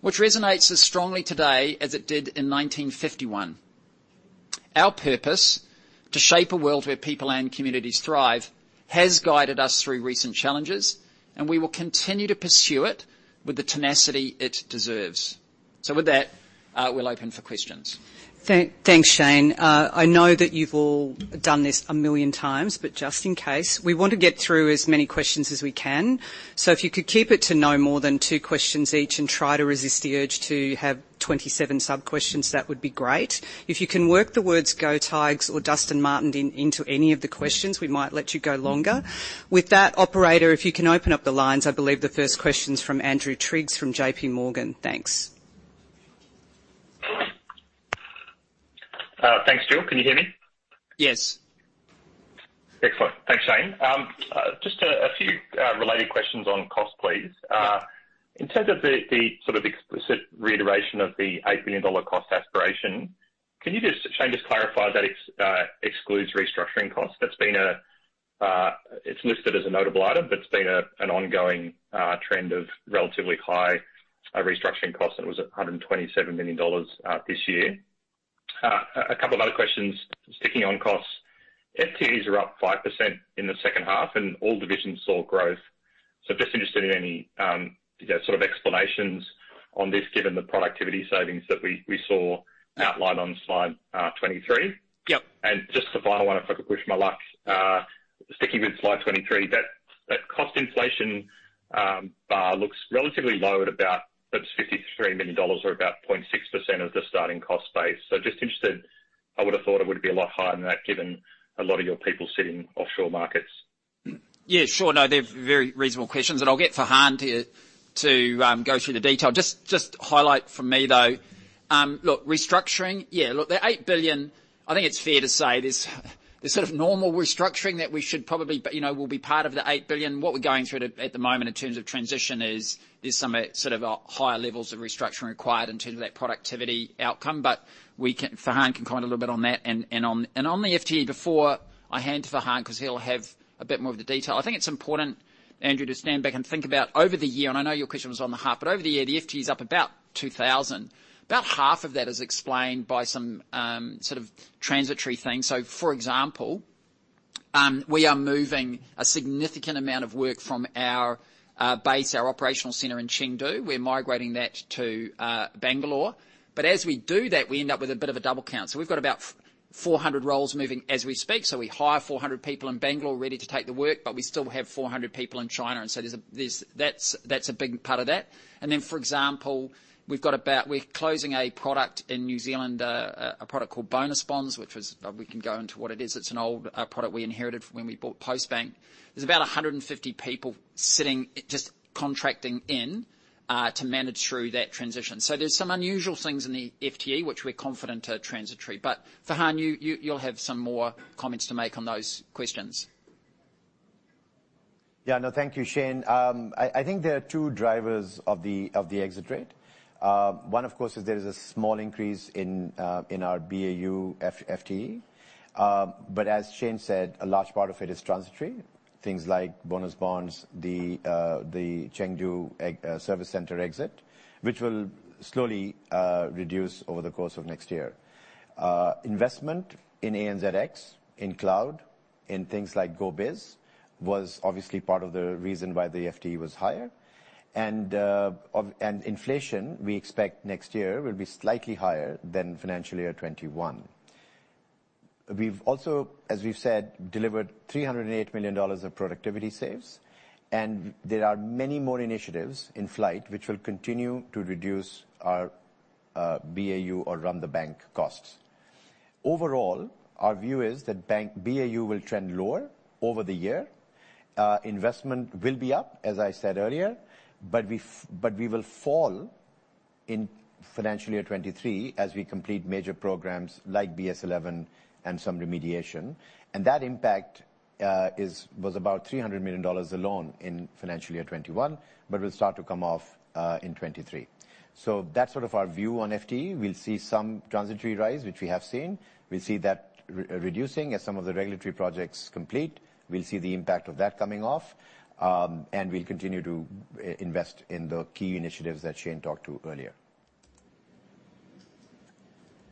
which resonates as strongly today as it did in 1951. Our purpose, to shape a world where people and communities thrive, has guided us through recent challenges, and we will continue to pursue it with the tenacity it deserves. With that, we'll open for questions. Thanks, Shayne. I know that you've all done this a million times, but just in case, we want to get through as many questions as we can. If you could keep it to no more than two questions each and try to resist the urge to have 27 sub-questions, that would be great. If you can work the words Go Tiges or Dustin Martin into any of the questions, we might let you go longer. With that, operator, if you can open up the lines, I believe the first question's from Andrew Triggs from JPMorgan. Thanks. Thanks, Jill. Can you hear me? Yes. Excellent. Thanks, Shayne. Just a few related questions on cost, please. In terms of the sort of explicit reiteration of the 8 billion dollar cost aspiration, can you, Shayne, clarify that excludes restructuring costs? That's been... It's listed as a notable item, but it's been an ongoing trend of relatively high restructuring costs, and it was 127 million dollars this year. A couple of other questions sticking on costs. FTEs are up 5% in the H2, and all divisions saw growth. Just interested in any, you know, sort of explanations on this, given the productivity savings that we saw outlined on slide 23. Yep. Just the final one, if I could push my luck. Sticking with slide 23, that cost inflation bar looks relatively low at about 53 million dollars or about 0.6% of the starting cost base. Just interested, I would have thought it would be a lot higher than that, given a lot of your people sit in offshore markets. Yeah, sure. No, they're very reasonable questions, and I'll get Farhan to go through the detail. Just highlight from me, though. Look, restructuring. Yeah. Look, the 8 billion, I think it's fair to say there's sort of normal restructuring that we should probably, you know, will be part of the 8 billion. What we're going through at the moment in terms of transition is some sort of higher levels of restructuring required in terms of that productivity outcome. But Farhan can comment a little bit on that. On the FTE, before I hand to Farhan, 'cause he'll have a bit more of the detail. I think it's important, Andrew, to stand back and think about over the year, and I know your question was on the half, but over the year, the FTE is up about 2,000. About half of that is explained by some sort of transitory things. For example, we are moving a significant amount of work from our base, our operational center in Chengdu. We're migrating that to Bangalore. But as we do that, we end up with a bit of a double count. We've got about 400 roles moving as we speak. We hire 400 people in Bangalore ready to take the work, but we still have 400 people in China, and so that's a big part of that. For example, we've got about... We're closing a product in New Zealand, a product called Bonus Bonds, which was, we can go into what it is. It's an old product we inherited when we bought PostBank. There's about 150 people sitting, just contracting in, to manage through that transition. There's some unusual things in the FTE, which we're confident are transitory. Farhan, you'll have some more comments to make on those questions. Yeah. No, thank you, Shayne. I think there are two drivers of the exit rate. One, of course, is there is a small increase in our BAU FTE. But as Shayne said, a large part of it is transitory. Things like Bonus Bonds, the Chengdu service center exit, which will slowly reduce over the course of next year. Investment in ANZx, in Cloud, in things like GoBiz, was obviously part of the reason why the FTE was higher. And inflation, we expect next year will be slightly higher than financial year 2021. We've also, as we've said, delivered 308 million dollars of productivity saves, and there are many more initiatives in flight which will continue to reduce our BAU or run the bank costs. Overall, our view is that BAU will trend lower over the year. Investment will be up, as I said earlier, but we will fall in financial year 2023 as we complete major programs like BS11 and some remediation. That impact was about 300 million dollars alone in financial year 2021, but will start to come off in 2023. That's sort of our view on FTE. We'll see some transitory rise, which we have seen. We'll see that reducing as some of the regulatory projects complete. We'll see the impact of that coming off, and we'll continue to invest in the key initiatives that Shayne talked to earlier.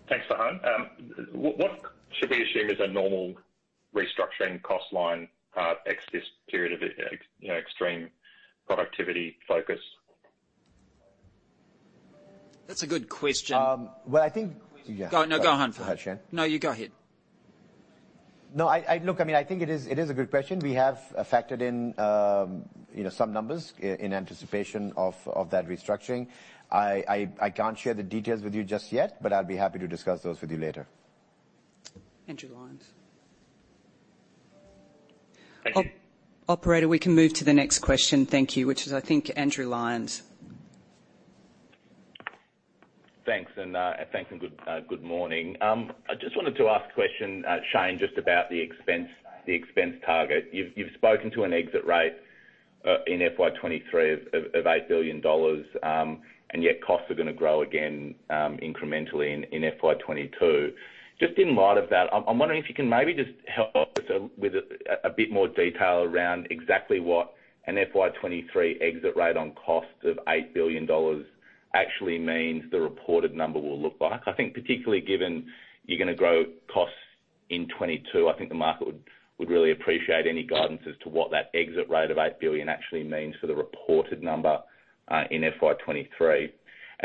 Thanks, Farhan. What should we assume is a normal restructuring cost line, ex this period of extreme, you know, productivity focus? That's a good question. Well, I think. No, go on, Farhan Faruqui. Go ahead, Shayne. No, you go ahead. No. Look, I mean, I think it is a good question. We have factored in, you know, some numbers in anticipation of that restructuring. I can't share the details with you just yet, but I'll be happy to discuss those with you later. Andrew Lyons. Thank you. Operator, we can move to the next question, thank you, which is, I think, Andrew Lyons. Thanks. Thanks and good morning. I just wanted to ask a question, Shayne, just about the expense target. You've spoken to an exit rate in FY 2023 of 8 billion dollars, and yet costs are gonna grow again incrementally in FY 2022. Just in light of that, I'm wondering if you can maybe just help us with a bit more detail around exactly what an FY 2023 exit rate on cost of 8 billion dollars actually means the reported number will look like. I think particularly given you're gonna grow costs in 2022, I think the market would really appreciate any guidance as to what that exit rate of 8 billion actually means for the reported number in FY 2023.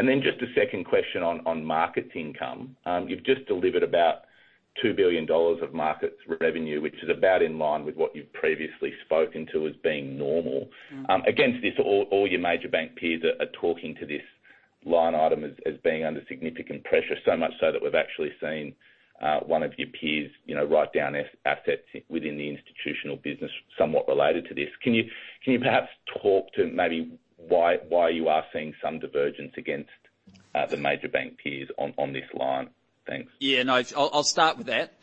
Then just a second question on markets income. You've just delivered about 2 billion dollars of markets revenue, which is about in line with what you've previously spoken to as being normal. Against this, all your major bank peers are talking to this line item as being under significant pressure, so much so that we've actually seen one of your peers, you know, write down assets within the institutional business somewhat related to this. Can you perhaps talk to maybe why you are seeing some divergence against the major bank peers on this line? Thanks. Yeah, no. I'll start with that.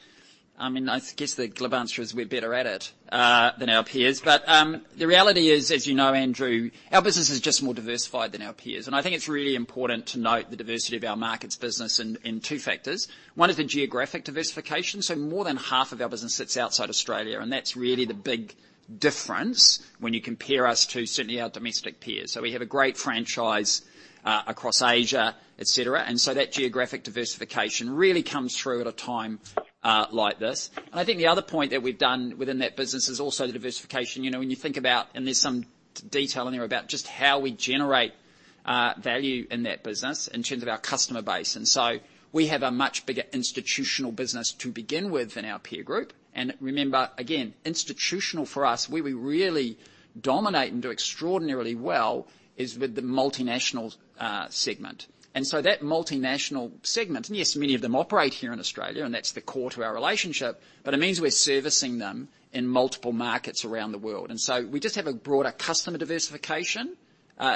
I mean, I guess the glib answer is we're better at it than our peers. The reality is, as you know, Andrew, our business is just more diversified than our peers. I think it's really important to note the diversity of our markets business in two factors. One is the geographic diversification, so more than half of our business sits outside Australia, and that's really the big difference when you compare us to certainly our domestic peers. We have a great franchise across Asia, et cetera. That geographic diversification really comes through at a time like this. I think the other point that we've done within that business is also the diversification. You know, when you think about, and there's some detail in there about just how we generate value in that business in terms of our customer base. We have a much bigger institutional business to begin with than our peer group. Remember, again, institutional for us, where we really dominate and do extraordinarily well is with the multinational segment. That multinational segment, and yes, many of them operate here in Australia, and that's the core to our relationship, but it means we're servicing them in multiple markets around the world. We just have a broader customer diversification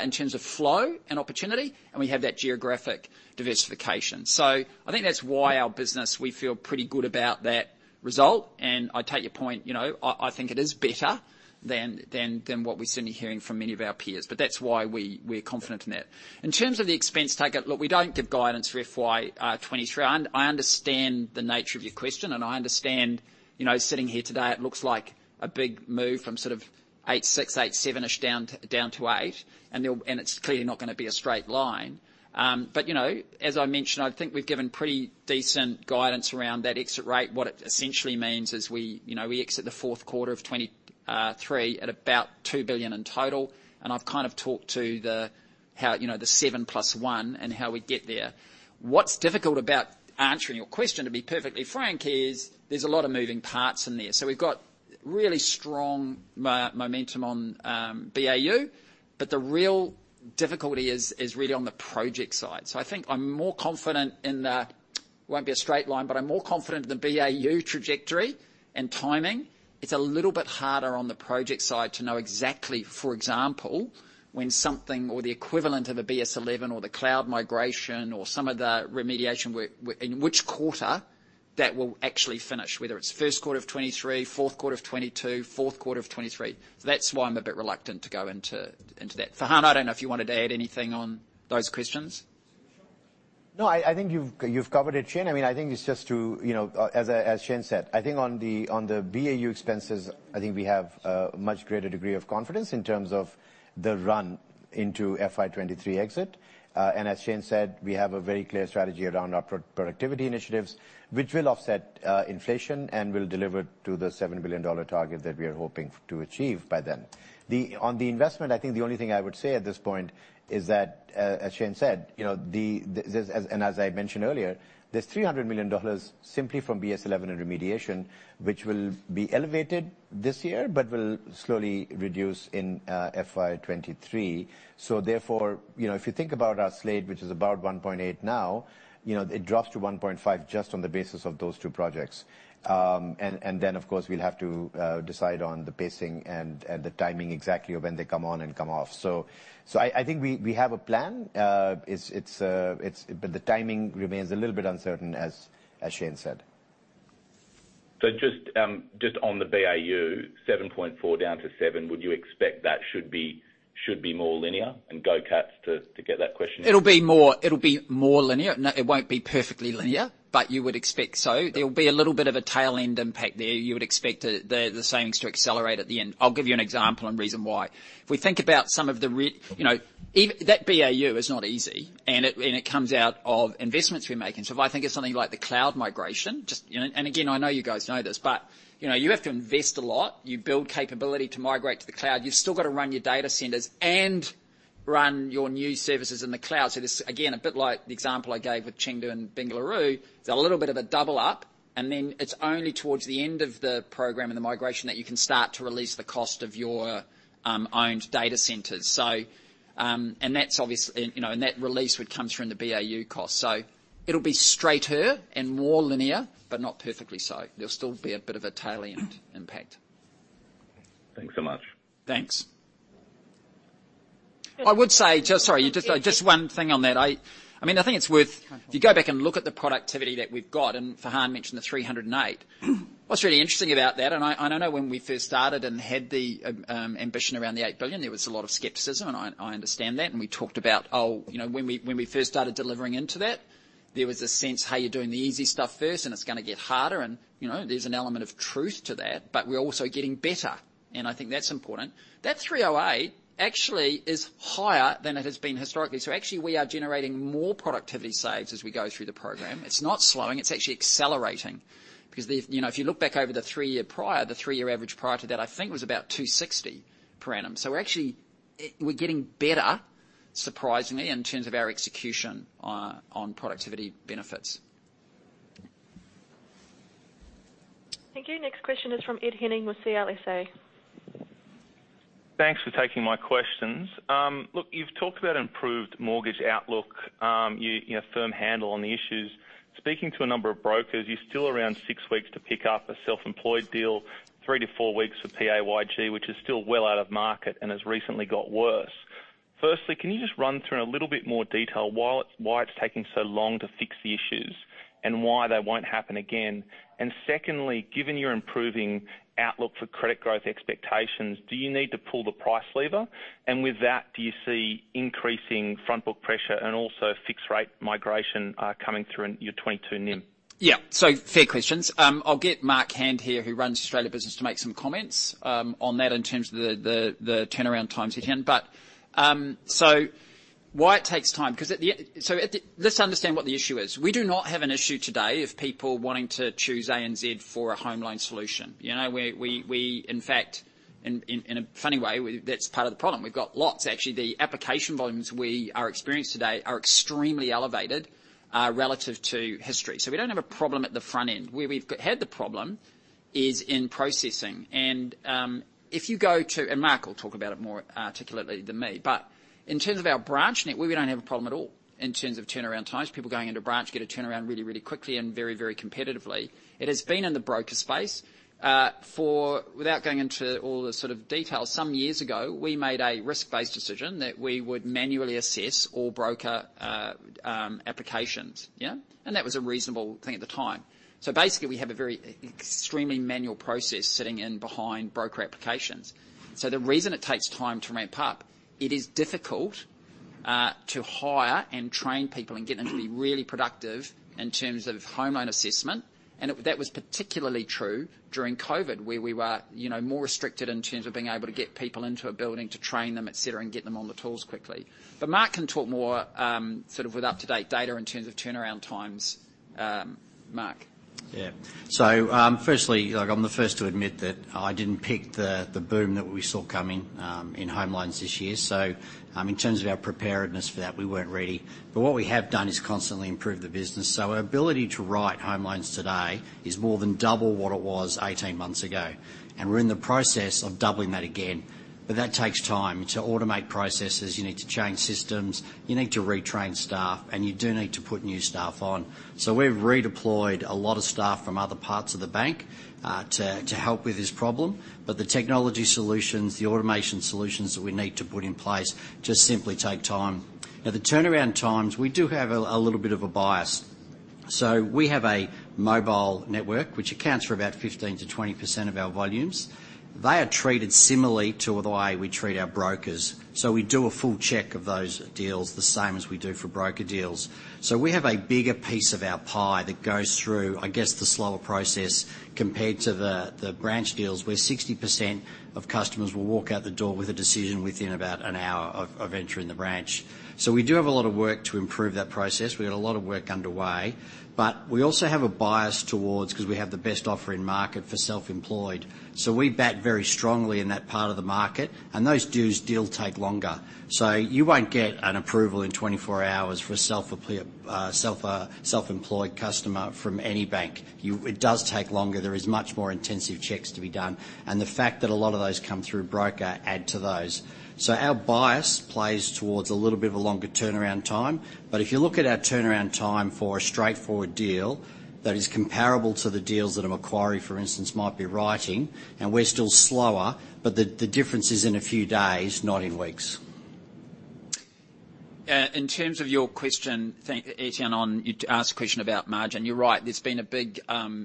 in terms of flow and opportunity, and we have that geographic diversification. I think that's why our business, we feel pretty good about that result. I take your point, you know, I think it is better than what we're certainly hearing from many of our peers. That's why we're confident in that. In terms of the expense target, look, we don't give guidance for FY 2023. I understand the nature of your question, and I understand, you know, sitting here today, it looks like a big move from sort of 8.6, 8.7-ish down to 8. It's clearly not gonna be a straight line. But, you know, as I mentioned, I think we've given pretty decent guidance around that exit rate. What it essentially means is we, you know, we exit the Q4 of 2023 at about 2 billion in total, and I've kind of talked to the how, you know, the seven plus one and how we'd get there. What's difficult about answering your question, to be perfectly frank, is there's a lot of moving parts in there. We've got really strong momentum on BAU, but the real difficulty is really on the project side. I think I'm more confident in the BAU. It won't be a straight line, but I'm more confident in the BAU trajectory and timing. It's a little bit harder on the project side to know exactly, for example, when something or the equivalent of a BS11 or the cloud migration or some of the remediation we're doing. in which quarter that will actually finish, whether it's Q1 of 2023, Q4 of 2022, Q4 of 2023. That's why I'm a bit reluctant to go into that. Farhan, I don't know if you wanted to add anything on those questions. No, I think you've covered it, Shayne. I mean, I think it's just to, you know, as Shayne said. I think on the BAU expenses, I think we have a much greater degree of confidence in terms of the run into FY 2023 exit. And as Shayne said, we have a very clear strategy around our pro-productivity initiatives, which will offset inflation and will deliver to the 7 billion dollar target that we are hoping to achieve by then. On the investment, I think the only thing I would say at this point is that, as Shayne said, you know, this. As I mentioned earlier, there's 300 million dollars simply from BS11 remediation, which will be elevated this year, but will slowly reduce in FY 2023. Therefore, you know, if you think about our slate, which is about 1.8% now, you know, it drops to 1.5% just on the basis of those two projects. Of course, we'll have to decide on the pacing and the timing exactly of when they come on and come off. I think we have a plan. The timing remains a little bit uncertain, as Shayne said. Just on the BAU, 7.4 down to seven, would you expect that should be more linear? It'll be more linear. No, it won't be perfectly linear, but you would expect so. There'll be a little bit of a tail end impact there. You would expect the savings to accelerate at the end. I'll give you an example and reason why. That BAU is not easy, and it comes out of investments we're making. So if I think of something like the cloud migration. You know, again, I know you guys know this, but, you know, you have to invest a lot. You build capability to migrate to the cloud. You've still got to run your data centers and run your new services in the cloud. This, again, a bit like the example I gave with Chengdu and Bengaluru, it's a little bit of a double up, and then it's only towards the end of the program and the migration that you can start to release the cost of your owned data centers. That's obviously, you know, and that release would come through in the BAU cost. It'll be straighter and more linear, but not perfectly so. There'll be a bit of a tail end impact. Thanks so much. Thanks. I would say just one thing on that. I mean, I think it's worth if you go back and look at the productivity that we've got, and Farhan mentioned the 308. What's really interesting about that, and I know when we first started and had the ambition around the 8 billion, there was a lot of skepticism, and I understand that. We talked about, you know, when we first started delivering into that, there was a sense, hey, you're doing the easy stuff first and it's gonna get harder. You know, there's an element of truth to that, but we're also getting better. I think that's important. That 308 actually is higher than it has been historically. Actually, we are generating more productivity saves as we go through the program. It's not slowing, it's actually accelerating. Because the, you know, if you look back over the three-year prior, the three-year average prior to that, I think was about 260 per annum. We're actually getting better, surprisingly, in terms of our execution on productivity benefits. Thank you. Next question is from Ed Henning with CLSA. Thanks for taking my questions. Look, you've talked about improved mortgage outlook. You know, firm handle on the issues. Speaking to a number of brokers, you're still around six weeks to pick up a self-employed deal, three to four weeks for PAYG, which is still well out of market and has recently got worse. Firstly, can you just run through in a little bit more detail why it's taking so long to fix the issues and why they won't happen again? Secondly, given your improving outlook for credit growth expectations, do you need to pull the price lever? With that, do you see increasing front book pressure and also fixed rate migration coming through in your 2022 NIM? Yeah. Fair questions. I'll get Mark Hand here, who runs Australia Business, to make some comments on that in terms of the turnaround times you're hearing. Why it takes time, 'cause at the end. Let's understand what the issue is. We do not have an issue today of people wanting to choose ANZ for a home loan solution. You know, we in fact in a funny way, we, that's part of the problem. We've got lots. Actually, the application volumes we are experiencing today are extremely elevated relative to history. We don't have a problem at the front end. Where we've had the problem is in processing. If you go to, Mark will talk about it more articulately than me. In terms of our branch network, we don't have a problem at all in terms of turnaround times. People going into branch get a turnaround really, really quickly and very, very competitively. It has been in the broker space. Without going into all the sort of details, some years ago, we made a risk-based decision that we would manually assess all broker applications. That was a reasonable thing at the time. Basically, we have a very extremely manual process sitting in behind broker applications. The reason it takes time to ramp up, it is difficult to hire and train people and get them to be really productive in terms of home loan assessment. That was particularly true during COVID, where we were, you know, more restricted in terms of being able to get people into a building to train them, et cetera, and get them on the tools quickly. Mark can talk more, sort of with up-to-date data in terms of turnaround times, Mark. Firstly, like I'm the first to admit that I didn't pick the boom that we saw coming in home loans this year. In terms of our preparedness for that, we weren't ready. What we have done is constantly improve the business. Our ability to write home loans today is more than double what it was 18 months ago, and we're in the process of doubling that again. That takes time. To automate processes, you need to change systems, you need to retrain staff, and you do need to put new staff on. We've redeployed a lot of staff from other parts of the bank to help with this problem. The technology solutions, the automation solutions that we need to put in place just simply take time. Now, the turnaround times, we do have a little bit of a bias. We have a mobile network which accounts for about 15%-20% of our volumes. They are treated similarly to the way we treat our brokers. We do a full check of those deals the same as we do for broker deals. We have a bigger piece of our pie that goes through, I guess, the slower process compared to the branch deals, where 60% of customers will walk out the door with a decision within about an hour of entering the branch. We do have a lot of work to improve that process. We have a lot of work underway. We also have a bias towards, 'cause we have the best offer in market for self-employed. We back very strongly in that part of the market, and those deals still take longer. You won't get an approval in 24 hours for a self-apply, self-employed customer from any bank. It does take longer. There is much more intensive checks to be done. The fact that a lot of those come through broker add to those. Our bias plays towards a little bit of a longer turnaround time. If you look at our turnaround time for a straightforward deal that is comparable to the deals that a Macquarie, for instance, might be writing, and we're still slower, but the difference is in a few days, not in weeks. In terms of your question, thanks, Ed Henning. You asked a question about margin. You're right. There's been a big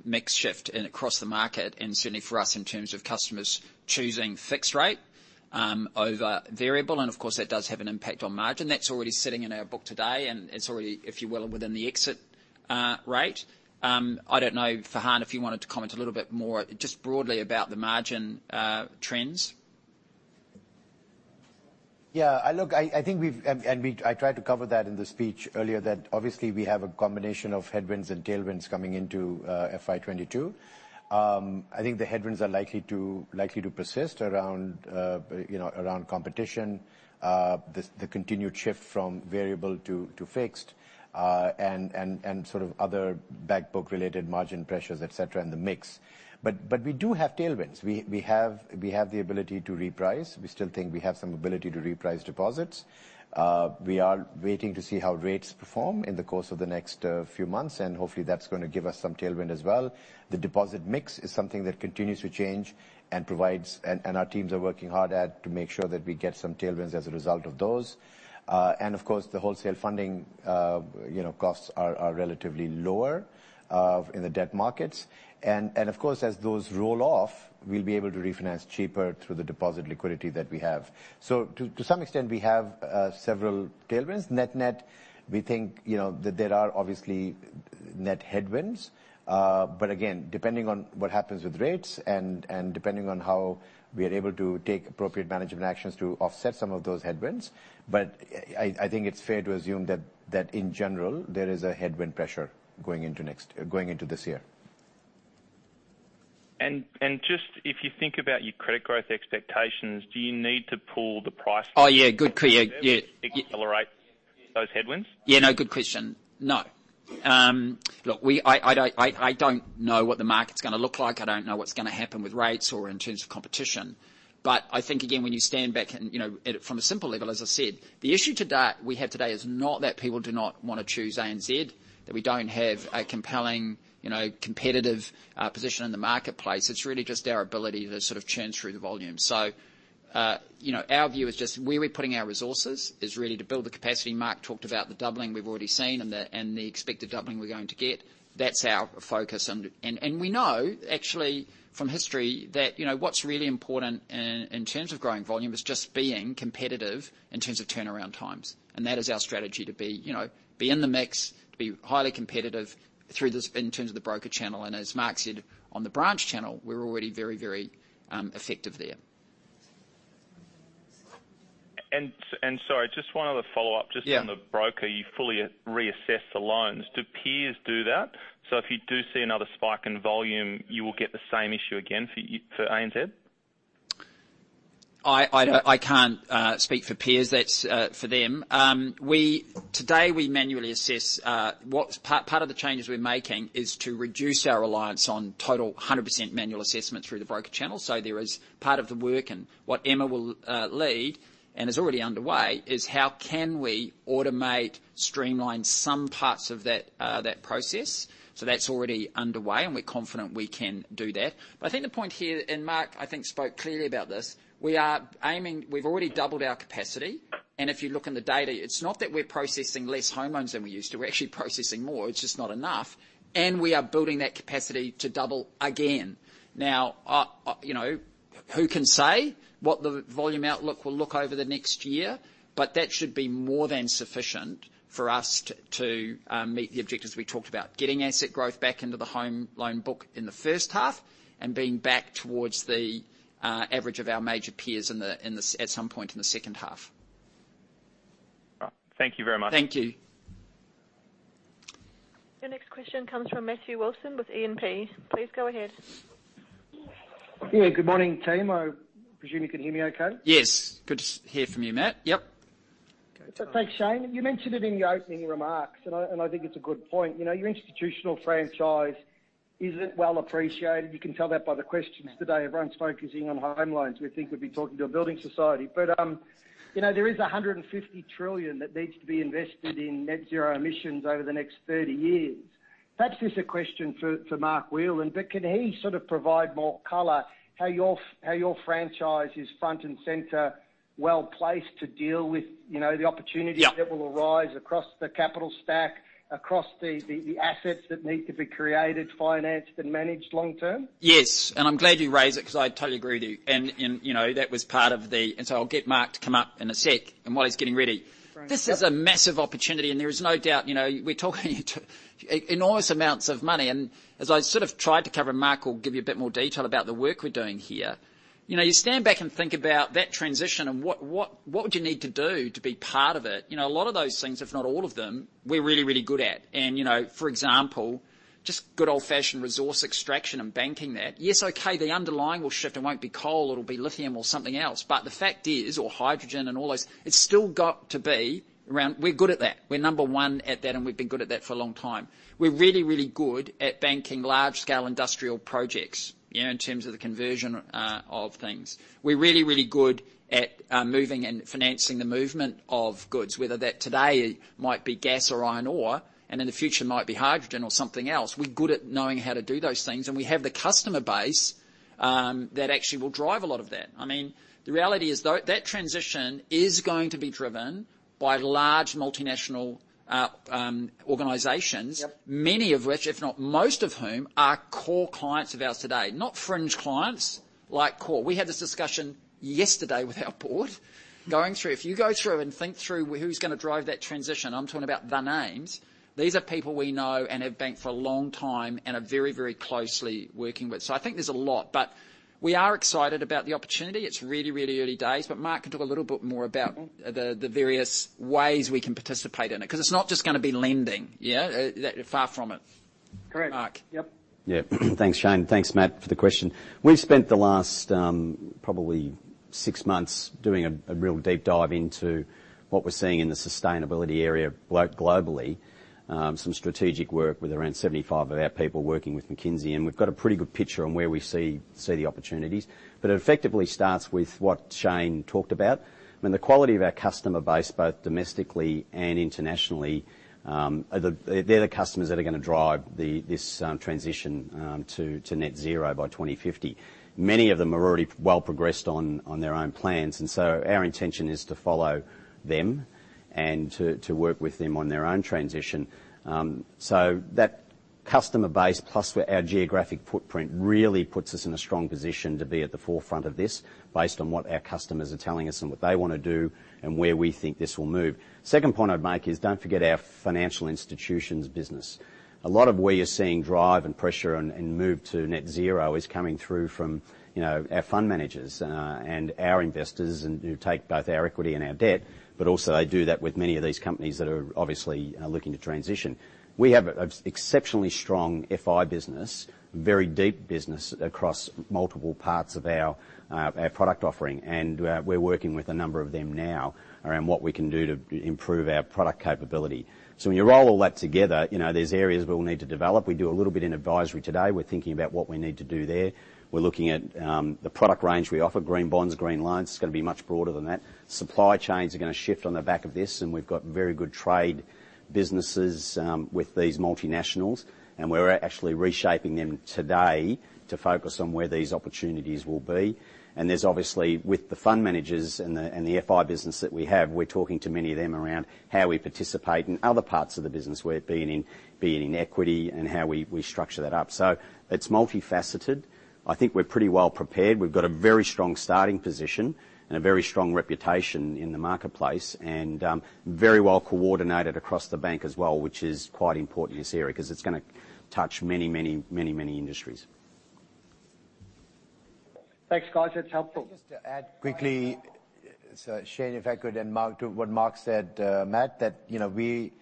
mix shift across the market and certainly for us in terms of customers choosing fixed rate over variable, and of course, that does have an impact on margin. That's already sitting in our book today, and it's already, if you will, within the exit rate. I don't know, Farhan, if you wanted to comment a little bit more just broadly about the margin trends. I tried to cover that in the speech earlier, that obviously we have a combination of headwinds and tailwinds coming into FY 2022. I think the headwinds are likely to persist around you know around competition, the continued shift from variable to fixed, and sort of other back book related margin pressures, et cetera, in the mix. We do have tailwinds. We have the ability to reprice. We still think we have some ability to reprice deposits. We are waiting to see how rates perform in the course of the next few months, and hopefully that's gonna give us some tailwind as well. The deposit mix is something that continues to change, and our teams are working hard at to make sure that we get some tailwinds as a result of those. Of course, the wholesale funding, you know, costs are relatively lower in the debt markets. Of course, as those roll off, we'll be able to refinance cheaper through the deposit liquidity that we have. To some extent, we have several tailwinds. Net net, we think, you know, that there are obviously net headwinds. Again, depending on what happens with rates and depending on how we are able to take appropriate management actions to offset some of those headwinds. I think it's fair to assume that in general, there is a headwind pressure going into this year. Just if you think about your credit growth expectations, do you need to pull the price? Oh, yeah. Yeah. Yeah. accelerate those headwinds? Yeah. No, good question. No. Look, I don't know what the market's gonna look like. I don't know what's gonna happen with rates or in terms of competition. I think, again, when you stand back and, you know, look at it from a simple level, as I said, the issue we have today is not that people do not wanna choose ANZ, that we don't have a compelling, you know, competitive position in the marketplace. It's really just our ability to sort of churn through the volume. Our view is just where we're putting our resources is really to build the capacity Mark talked about, the doubling we've already seen, and the expected doubling we're going to get. That's our focus and we know actually from history that, you know, what's really important in terms of growing volume is just being competitive in terms of turnaround times. That is our strategy to be, you know, in the mix, to be highly competitive through this in terms of the broker channel. As Mark said, on the branch channel, we're already very effective there. Sorry, just one other follow-up. Yeah. Just on the broker. You fully reassess the loans. Do peers do that? If you do see another spike in volume, you will get the same issue again for ANZ? I can't speak for peers. That's for them. Today we manually assess what's part of the changes we're making is to reduce our reliance on totally 100% manual assessment through the broker channel. There is part of the work and what Emma will lead and is already underway, is how can we automate, streamline some parts of that process. That's already underway, and we're confident we can do that. I think the point here, and Mark spoke clearly about this, we are aiming. We've already doubled our capacity, and if you look in the data, it's not that we're processing less home loans than we used to. We're actually processing more. It's just not enough, and we are building that capacity to double again. Now, you know, who can say what the volume outlook will look over the next year? That should be more than sufficient for us to meet the objectives we talked about, getting asset growth back into the home loan book in the H1 and being back towards the average of our major peers in the sector at some point in the H2. Right. Thank you very much. Thank you. Your next question comes from Matthew Wilson with Jefferies. Please go ahead. Yeah. Good morning, team. I presume you can hear me okay? Yes. Good to hear from you, Matt. Yep. Thanks, Shayne. You mentioned it in your opening remarks, and I think it's a good point. You know, your institutional franchise isn't well appreciated. You can tell that by the questions today. Everyone's focusing on home loans. We'd think we'd be talking to a building society. You know, there is 150 trillion that needs to be invested in net zero emissions over the next 30 years. Perhaps just a question for Mark Whelan, but can he sort of provide more color how your franchise is front and center well-placed to deal with, you know, the opportunities. Yeah ...that will arise across the capital stack, across the assets that need to be created, financed, and managed long-term? Yes. I'm glad you raised it because I totally agree with you. You know, that was part of the. I'll get Mark to come up in a sec. While he's getting ready. Right. Yeah. This is a massive opportunity, and there is no doubt. You know, we're talking enormous amounts of money. As I sort of tried to cover, Mark will give you a bit more detail about the work we're doing here. You know, you stand back and think about that transition and what would you need to do to be part of it? You know, a lot of those things, if not all of them, we're really, really good at. You know, for example, just good old-fashioned resource extraction and banking that. Yes, okay, the underlying will shift. It won't be coal. It'll be lithium or something else. But the fact is, or hydrogen and all those, it's still got to be around. We're good at that. We're number one at that, and we've been good at that for a long time. We're really, really good at banking large-scale industrial projects, you know, in terms of the conversion of things. We're really, really good at moving and financing the movement of goods, whether that today might be gas or iron ore and in the future might be hydrogen or something else. We're good at knowing how to do those things, and we have the customer base that actually will drive a lot of that. I mean, the reality is though, that transition is going to be driven by large multinational organizations. Yep Many of which, if not most of whom, are core clients of ours today. Not fringe clients, like core. We had this discussion yesterday with our board going through. If you go through and think through who's gonna drive that transition, I'm talking about the names, these are people we know and have banked for a long time and are very, very closely working with. I think there's a lot. We are excited about the opportunity. It's really, really early days. Mark can talk a little bit more about the various ways we can participate in it 'cause it's not just gonna be lending. Yeah. Far from it. Correct. Mark. Yep. Thanks, Shayne. Thanks, Matt, for the question. We've spent the last probably six months doing a real deep dive into what we're seeing in the sustainability area globally. Some strategic work with around 75 of our people working with McKinsey, and we've got a pretty good picture on where we see the opportunities. It effectively starts with what Shayne talked about with the quality of our customer base, both domestically and internationally, are the customers that are gonna drive this transition to net zero by 2050. Many of them are already well progressed on their own plans, and our intention is to follow them and to work with them on their own transition. That customer base plus with our geographic footprint really puts us in a strong position to be at the forefront of this based on what our customers are telling us and what they wanna do and where we think this will move. Second point I'd make is don't forget our financial institutions business. A lot of where you're seeing drive and pressure and move to net zero is coming through from, you know, our fund managers and our investors and who take both our equity and our debt, but also they do that with many of these companies that are obviously looking to transition. We have an exceptionally strong FI business, very deep business across multiple parts of our product offering. We're working with a number of them now around what we can do to improve our product capability. When you roll all that together, you know, there's areas we'll need to develop. We do a little bit in advisory today. We're thinking about what we need to do there. We're looking at the product range we offer, green bonds, green loans. It's gonna be much broader than that. Supply chains are gonna shift on the back of this, and we've got very good trade businesses with these multinationals, and we're actually reshaping them today to focus on where these opportunities will be. There's obviously, with the fund managers and the FI business that we have, we're talking to many of them around how we participate in other parts of the business we're being in, be it in equity and how we structure that up. It's multifaceted. I think we're pretty well prepared. We've got a very strong starting position and a very strong reputation in the marketplace and, very well coordinated across the bank as well, which is quite important this area 'cause it's gonna touch many industries. Thanks, guys. That's helpful. Can I just add quickly. Uh- Shayne, if I could, and Mark too. What Mark said, Matt, that, you know, we,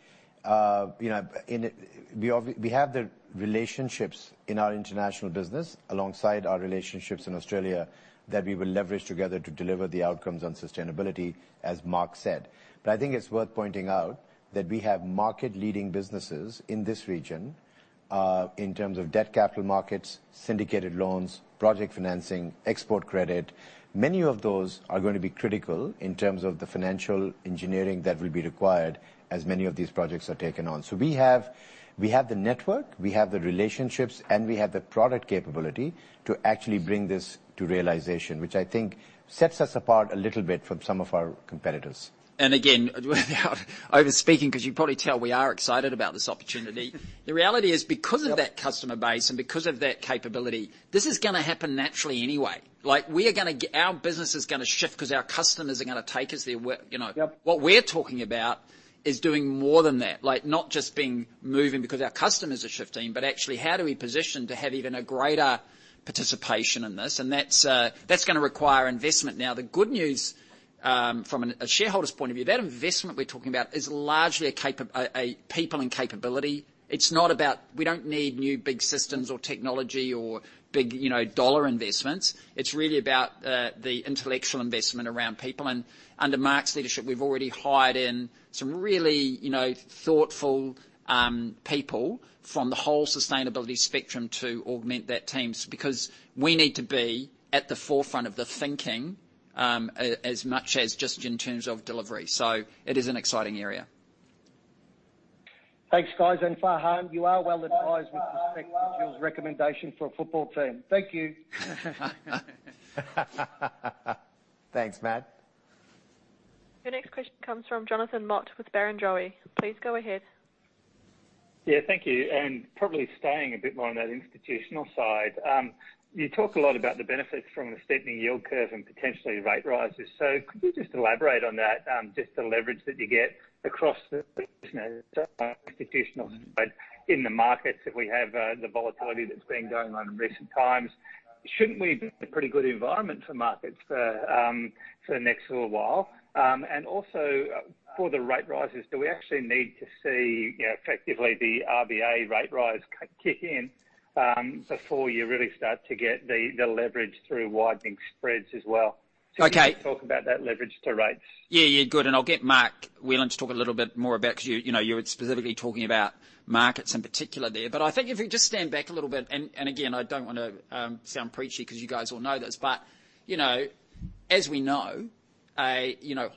you know, in it, we have the relationships in our international business alongside our relationships in Australia that we will leverage together to deliver the outcomes on sustainability, as Mark said. I think it's worth pointing out that we have market leading businesses in this region, in terms of debt capital markets, syndicated loans, project financing, export credit. Many of those are gonna be critical in terms of the financial engineering that will be required as many of these projects are taken on. We have the network, we have the relationships, and we have the product capability to actually bring this to realization, which I think sets us apart a little bit from some of our competitors. Again, without overspeaking, 'cause you can probably tell we are excited about this opportunity. The reality is because of that customer base and because of that capability, this is gonna happen naturally anyway. Like, our business is gonna shift 'cause our customers are gonna take us there. We're, you know- Yep What we're talking about is doing more than that, like, not just being, moving because our customers are shifting, but actually how do we position to have even a greater participation in this? That's gonna require investment. Now, the good news, from a shareholder's point of view, that investment we're talking about is largely a people and capability. It's not about. We don't need new big systems or technology or big, you know, dollar investments. It's really about the intellectual investment around people. Under Mark's leadership, we've already hired in some really, you know, thoughtful people from the whole sustainability spectrum to augment that team because we need to be at the forefront of the thinking as much as just in terms of delivery. It is an exciting area. Thanks, guys. Farhan, you are well advised with respect to Jill's recommendation for a football team. Thank you. Thanks, Matt. Your next question comes from Jonathan Mott with Barrenjoey. Please go ahead. Yeah, thank you. Probably staying a bit more on that institutional side. You talk a lot about the benefits from a steepening yield curve and potentially rate rises. Could you just elaborate on that, just the leverage that you get across the, you know, institutional side in the markets that we have, the volatility that's been going on in recent times. Shouldn't we be in a pretty good environment for markets for the next little while? Also for the rate rises, do we actually need to see, you know, effectively the RBA rate rise kick in, before you really start to get the leverage through widening spreads as well? Okay. Can you talk about that leverage to rates? Yeah, yeah, good I'll get Mark Whelan to talk a little bit more about, 'cause you know, you were specifically talking about markets in particular there. I think if you just stand back a little bit, and again, I don't wanna sound preachy 'cause you guys all know this, you know, as we know,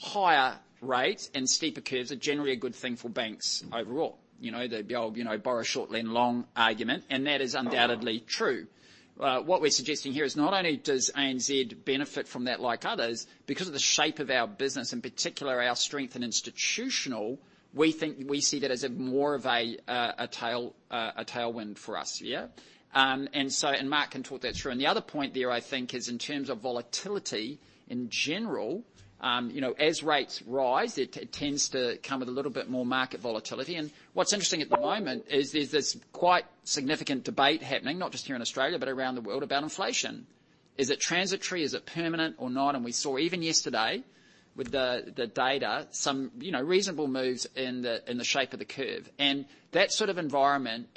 higher rate and steeper curves are generally a good thing for banks overall. You know, the old borrow short, lend long argument, and that is undoubtedly true. What we're suggesting here is not only does ANZ benefit from that like others, because of the shape of our business, in particular, our strength in Institutional, we think, we see that as more of a tailwind for us. Mark can talk that through. The other point there, I think, is in terms of volatility in general, you know, as rates rise, it tends to come with a little bit more market volatility. What's interesting at the moment is there's this quite significant debate happening, not just here in Australia, but around the world about inflation. Is it transitory, is it permanent or not? We saw even yesterday with the data, some, you know, reasonable moves in the shape of the curve. That sort of environment,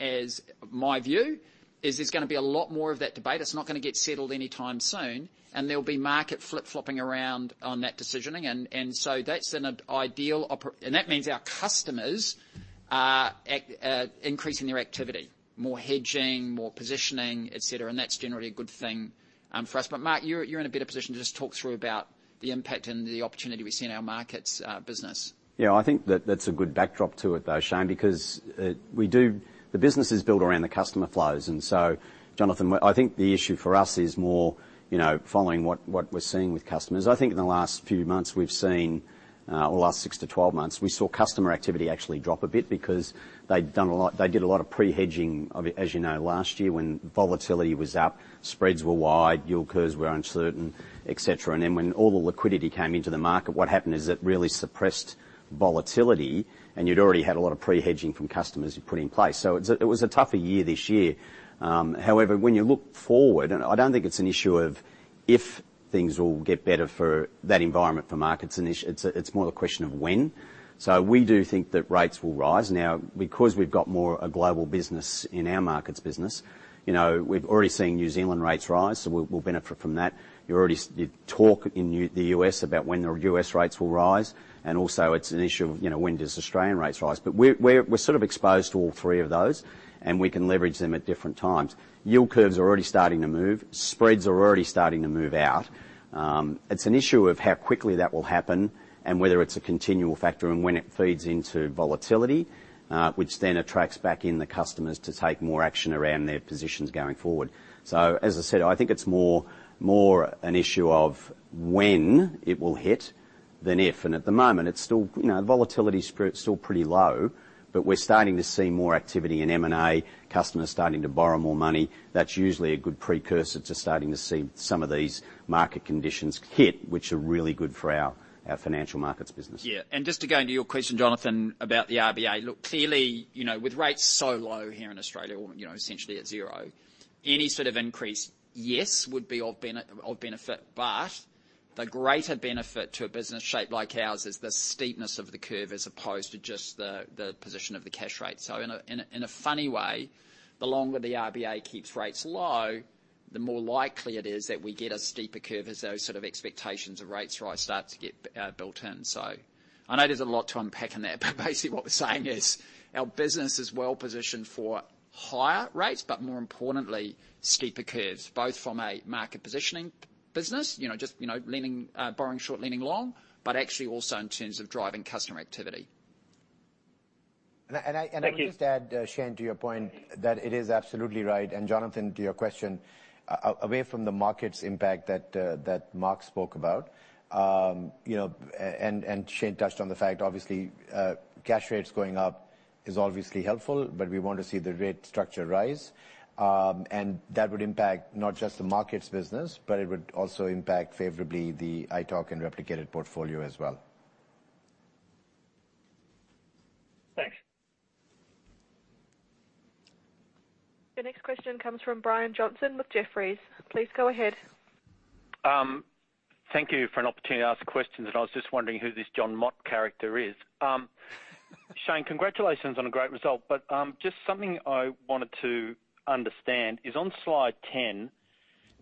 my view, is there's gonna be a lot more of that debate. It's not gonna get settled anytime soon, and there'll be market flip-flopping around on that decisioning. That means our customers are increasing their activity, more hedging, more positioning, et cetera, and that's generally a good thing for us. Mark, you're in a better position to just talk through about the impact and the opportunity we see in our markets business. Yeah, I think that's a good backdrop to it, though, Shayne, because the business is built around the customer flows. Jonathan, I think the issue for us is more, you know, following what we're seeing with customers. I think in the last few months or last six to 12 months, we saw customer activity actually drop a bit because they did a lot of pre-hedging. Obviously as you know, last year, when volatility was up, spreads were wide, yield curves were uncertain, et cetera. Then when all the liquidity came into the market, what happened is it really suppressed volatility, and you'd already had a lot of pre-hedging from customers you put in place. So it was a tougher year this year. However, when you look forward, I don't think it's an issue of if things will get better for that environment for markets. It's more the question of when. We do think that rates will rise. Now, because we've got more a global business in our markets business, you know, we've already seen New Zealand rates rise, so we'll benefit from that. You talk in the U.S. about when the U.S. rates will rise, and also it's an issue of, you know, when does Australian rates rise. We're sort of exposed to all three of those, and we can leverage them at different times. Yield curves are already starting to move. Spreads are already starting to move out. It's an issue of how quickly that will happen and whether it's a continual factor and when it feeds into volatility, which then attracts back in the customers to take more action around their positions going forward. As I said, I think it's more an issue of when it will hit than if. At the moment, it's still, you know, volatility's still pretty low, but we're starting to see more activity in M&A, customers starting to borrow more money. That's usually a good precursor to starting to see some of these market conditions hit, which are really good for our financial markets business. Yeah. Just to go into your question, Jonathan, about the RBA. Look, clearly, you know, with rates so low here in Australia or, you know, essentially at zero, any sort of increase, yes, would be of benefit, but the greater benefit to a business shape like ours is the steepness of the curve as opposed to just the position of the cash rate. In a funny way, the longer the RBA keeps rates low, the more likely it is that we get a steeper curve as those sort of expectations of rates rise start to get built in. I know there's a lot to unpack in that, but basically what we're saying is our business is well positioned for higher rates, but more importantly, steeper curves, both from a market positioning business, you know, just, you know, leaning, borrowing short, leaning long, but actually also in terms of driving customer activity. And I, and I- Thank you. I will just add, Shayne, to your point, that it is absolutely right. Jonathan, to your question, away from the markets impact that that Mark spoke about, you know, and Shayne touched on the fact, obviously, cash rates going up is obviously helpful, but we want to see the rate structure rise. That would impact not just the markets business, but it would also impact favorably the ITOC and replicated portfolio as well. Thanks. Your next question comes from Brian Johnson with Jefferies. Please go ahead. Thank you for an opportunity to ask questions, and I was just wondering who this Jonathan Mott character is. Shayne, congratulations on a great result. Just something I wanted to understand is on slide 10,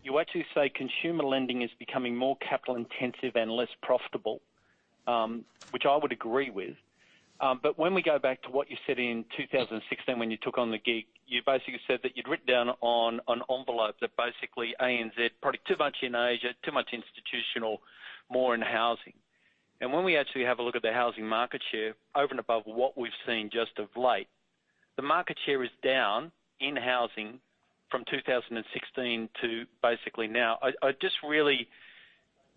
you actually say consumer lending is becoming more capital intensive and less profitable, which I would agree with. When we go back to what you said in 2016 when you took on the gig, you basically said that you'd written down on an envelope that basically ANZ, probably too much in Asia, too much institutional, more in housing. When we actually have a look at the housing market share over and above what we've seen just of late, the market share is down in housing from 2016 to basically now. I just really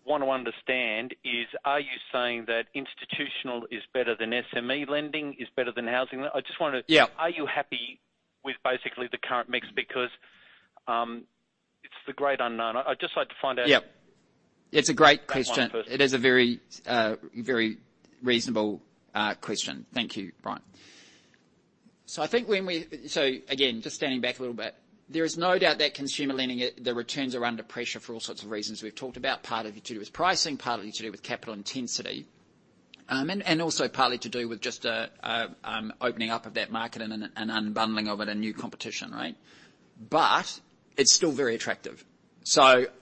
want to understand, is are you saying that institutional is better than SME lending, is better than housing? I just wanna- Yeah. Are you happy with basically the current mix? Because, it's the great unknown. I'd just like to find out. Yeah. It's a great question. That one first. It is a very reasonable question. Thank you, Brian. Again, just standing back a little bit, there is no doubt that consumer lending, the returns are under pressure for all sorts of reasons we've talked about. Partly to do with pricing, partly to do with capital intensity, and also partly to do with just opening up of that market and an unbundling of it and new competition, right? But it's still very attractive.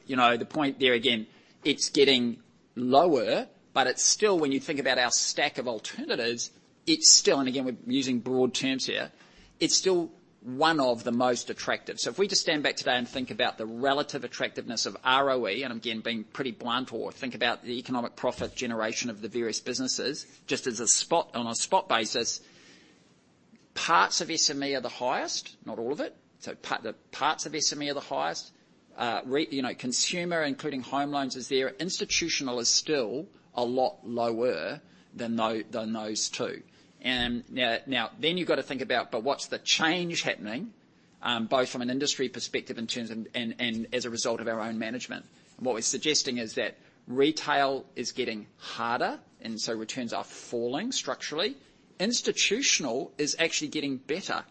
You know, the point there, again, it's getting lower, but it's still, when you think about our stack of alternatives, it's still, and again, we're using broad terms here, it's still one of the most attractive. If we just stand back today and think about the relative attractiveness of ROE, and again, being pretty blunt or think about the economic profit generation of the various businesses, just on a spot basis, parts of SME are the highest, not all of it. Parts of SME are the highest. You know, consumer, including home loans is there. Institutional is still a lot lower than those two. Then you've got to think about, but what's the change happening, both from an industry perspective in terms of and as a result of our own management. What we're suggesting is that retail is getting harder, and so returns are falling structurally. Institutional is actually getting better.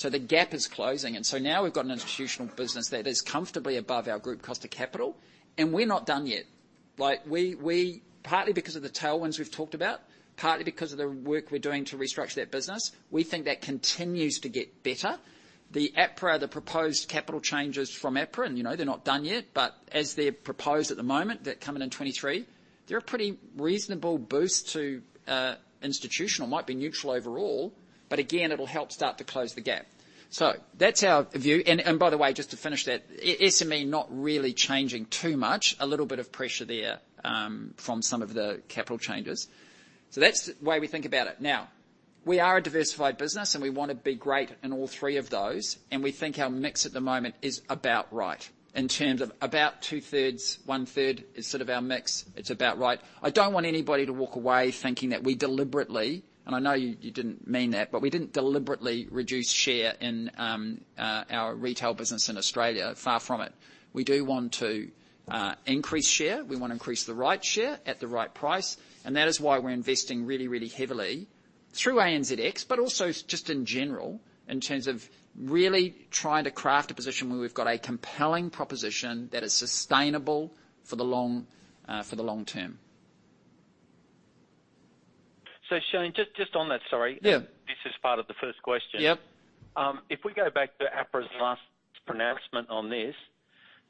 The gap is closing. Now we've got an institutional business that is comfortably above our group cost of capital, and we're not done yet. Like, we partly because of the tailwinds we've talked about, partly because of the work we're doing to restructure that business, we think that continues to get better. The APRA, the proposed capital changes from APRA, and you know, they're not done yet, but as they're proposed at the moment, they're coming in 2023. They're a pretty reasonable boost to institutional. Might be neutral overall, but again, it'll help start to close the gap. So that's our view. And by the way, just to finish that, SME not really changing too much. A little bit of pressure there from some of the capital changes. So that's the way we think about it. Now, we are a diversified business, and we wanna be great in all three of those, and we think our mix at the moment is about right in terms of about two-thirds, one-third is sort of our mix. It's about right. I don't want anybody to walk away thinking that we deliberately, and I know you didn't mean that, but we didn't deliberately reduce share in our retail business in Australia. Far from it. We do want to increase share. We wanna increase the right share at the right price, and that is why we're investing really, really heavily through ANZx, but also just in general, in terms of really trying to craft a position where we've got a compelling proposition that is sustainable for the long term. Shayne, just on that, sorry. Yeah. This is part of the first question. Yep. If we go back to APRA's last pronouncement on this,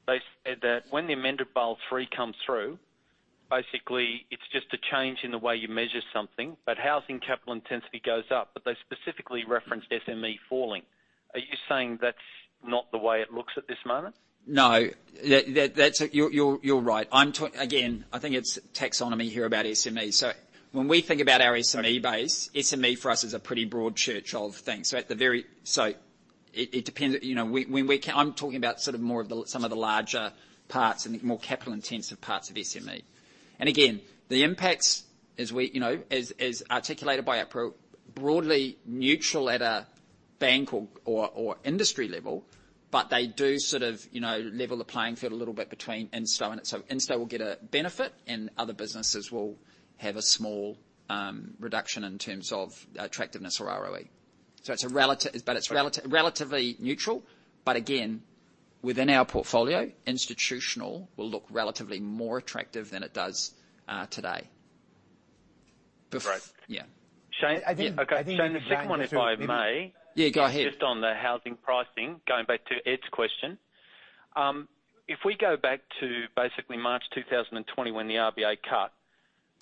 they said that when the amended Basel III comes through, basically it's just a change in the way you measure something, but housing capital intensity goes up. They specifically referenced SME falling. Are you saying that's not the way it looks at this moment? No. You're right. Again, I think it's taxonomy here about SME. When we think about our SME base, SME for us is a pretty broad church of things. It depends, you know, when we're talking about some of the larger parts and more capital-intensive parts of SME. Again, the impacts, you know, as articulated by APRA, broadly neutral at a bank or industry level, but they do sort of, you know, level the playing field a little bit between Insto and retail. Insto will get a benefit and other businesses will have a small reduction in terms of attractiveness or ROE. It's relative, but it's relatively neutral. Again, within our portfolio, institutional will look relatively more attractive than it does today. Great. Yeah. I think. Shayne. Yeah. Okay. Shayne, the second one, if I may. Yeah, go ahead. Just on the housing pricing, going back to Ed's question. If we go back to basically March 2020 when the RBA cut,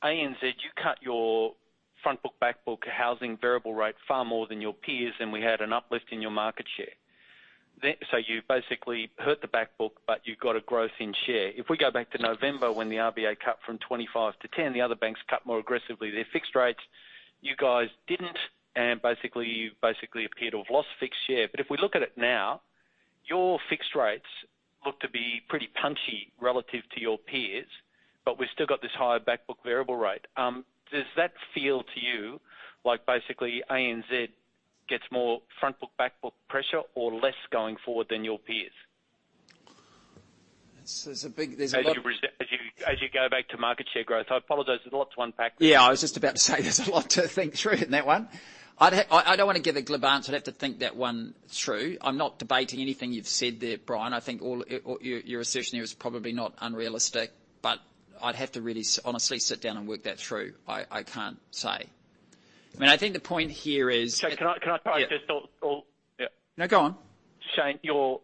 ANZ, you cut your front book, back book housing variable rate far more than your peers, and we had an uplift in your market share. You basically hurt the back book, but you got a growth in share. If we go back to November when the RBA cut from 25 to 10, the other banks cut more aggressively their fixed rates. You guys didn't and basically appear to have lost fixed share. If we look at it now, your fixed rates look to be pretty punchy relative to your peers, but we've still got this higher back book variable rate. Does that feel to you like basically ANZ gets more front book, back book pressure or less going forward than your peers? There's a lot. As you go back to market share growth. I apologize, there's lots to unpack there. Yeah, I was just about to say there's a lot to think through in that one. I don't want to give a glib answer. I'd have to think that one through. I'm not debating anything you've said there, Brian. I think all your assertion there is probably not unrealistic, but I'd have to really honestly sit down and work that through. I can't say. I mean, I think the point here is. Shayne, can I? Yeah. Yeah. No, go on. Shayne, your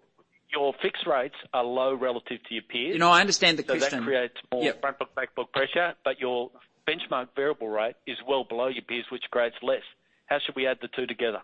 fixed rates are low relative to your peers. You know, I understand the question. that creates more Yeah. Front book, back book pressure, but your benchmark variable rate is well below your peers, which creates less. How should we add the two together?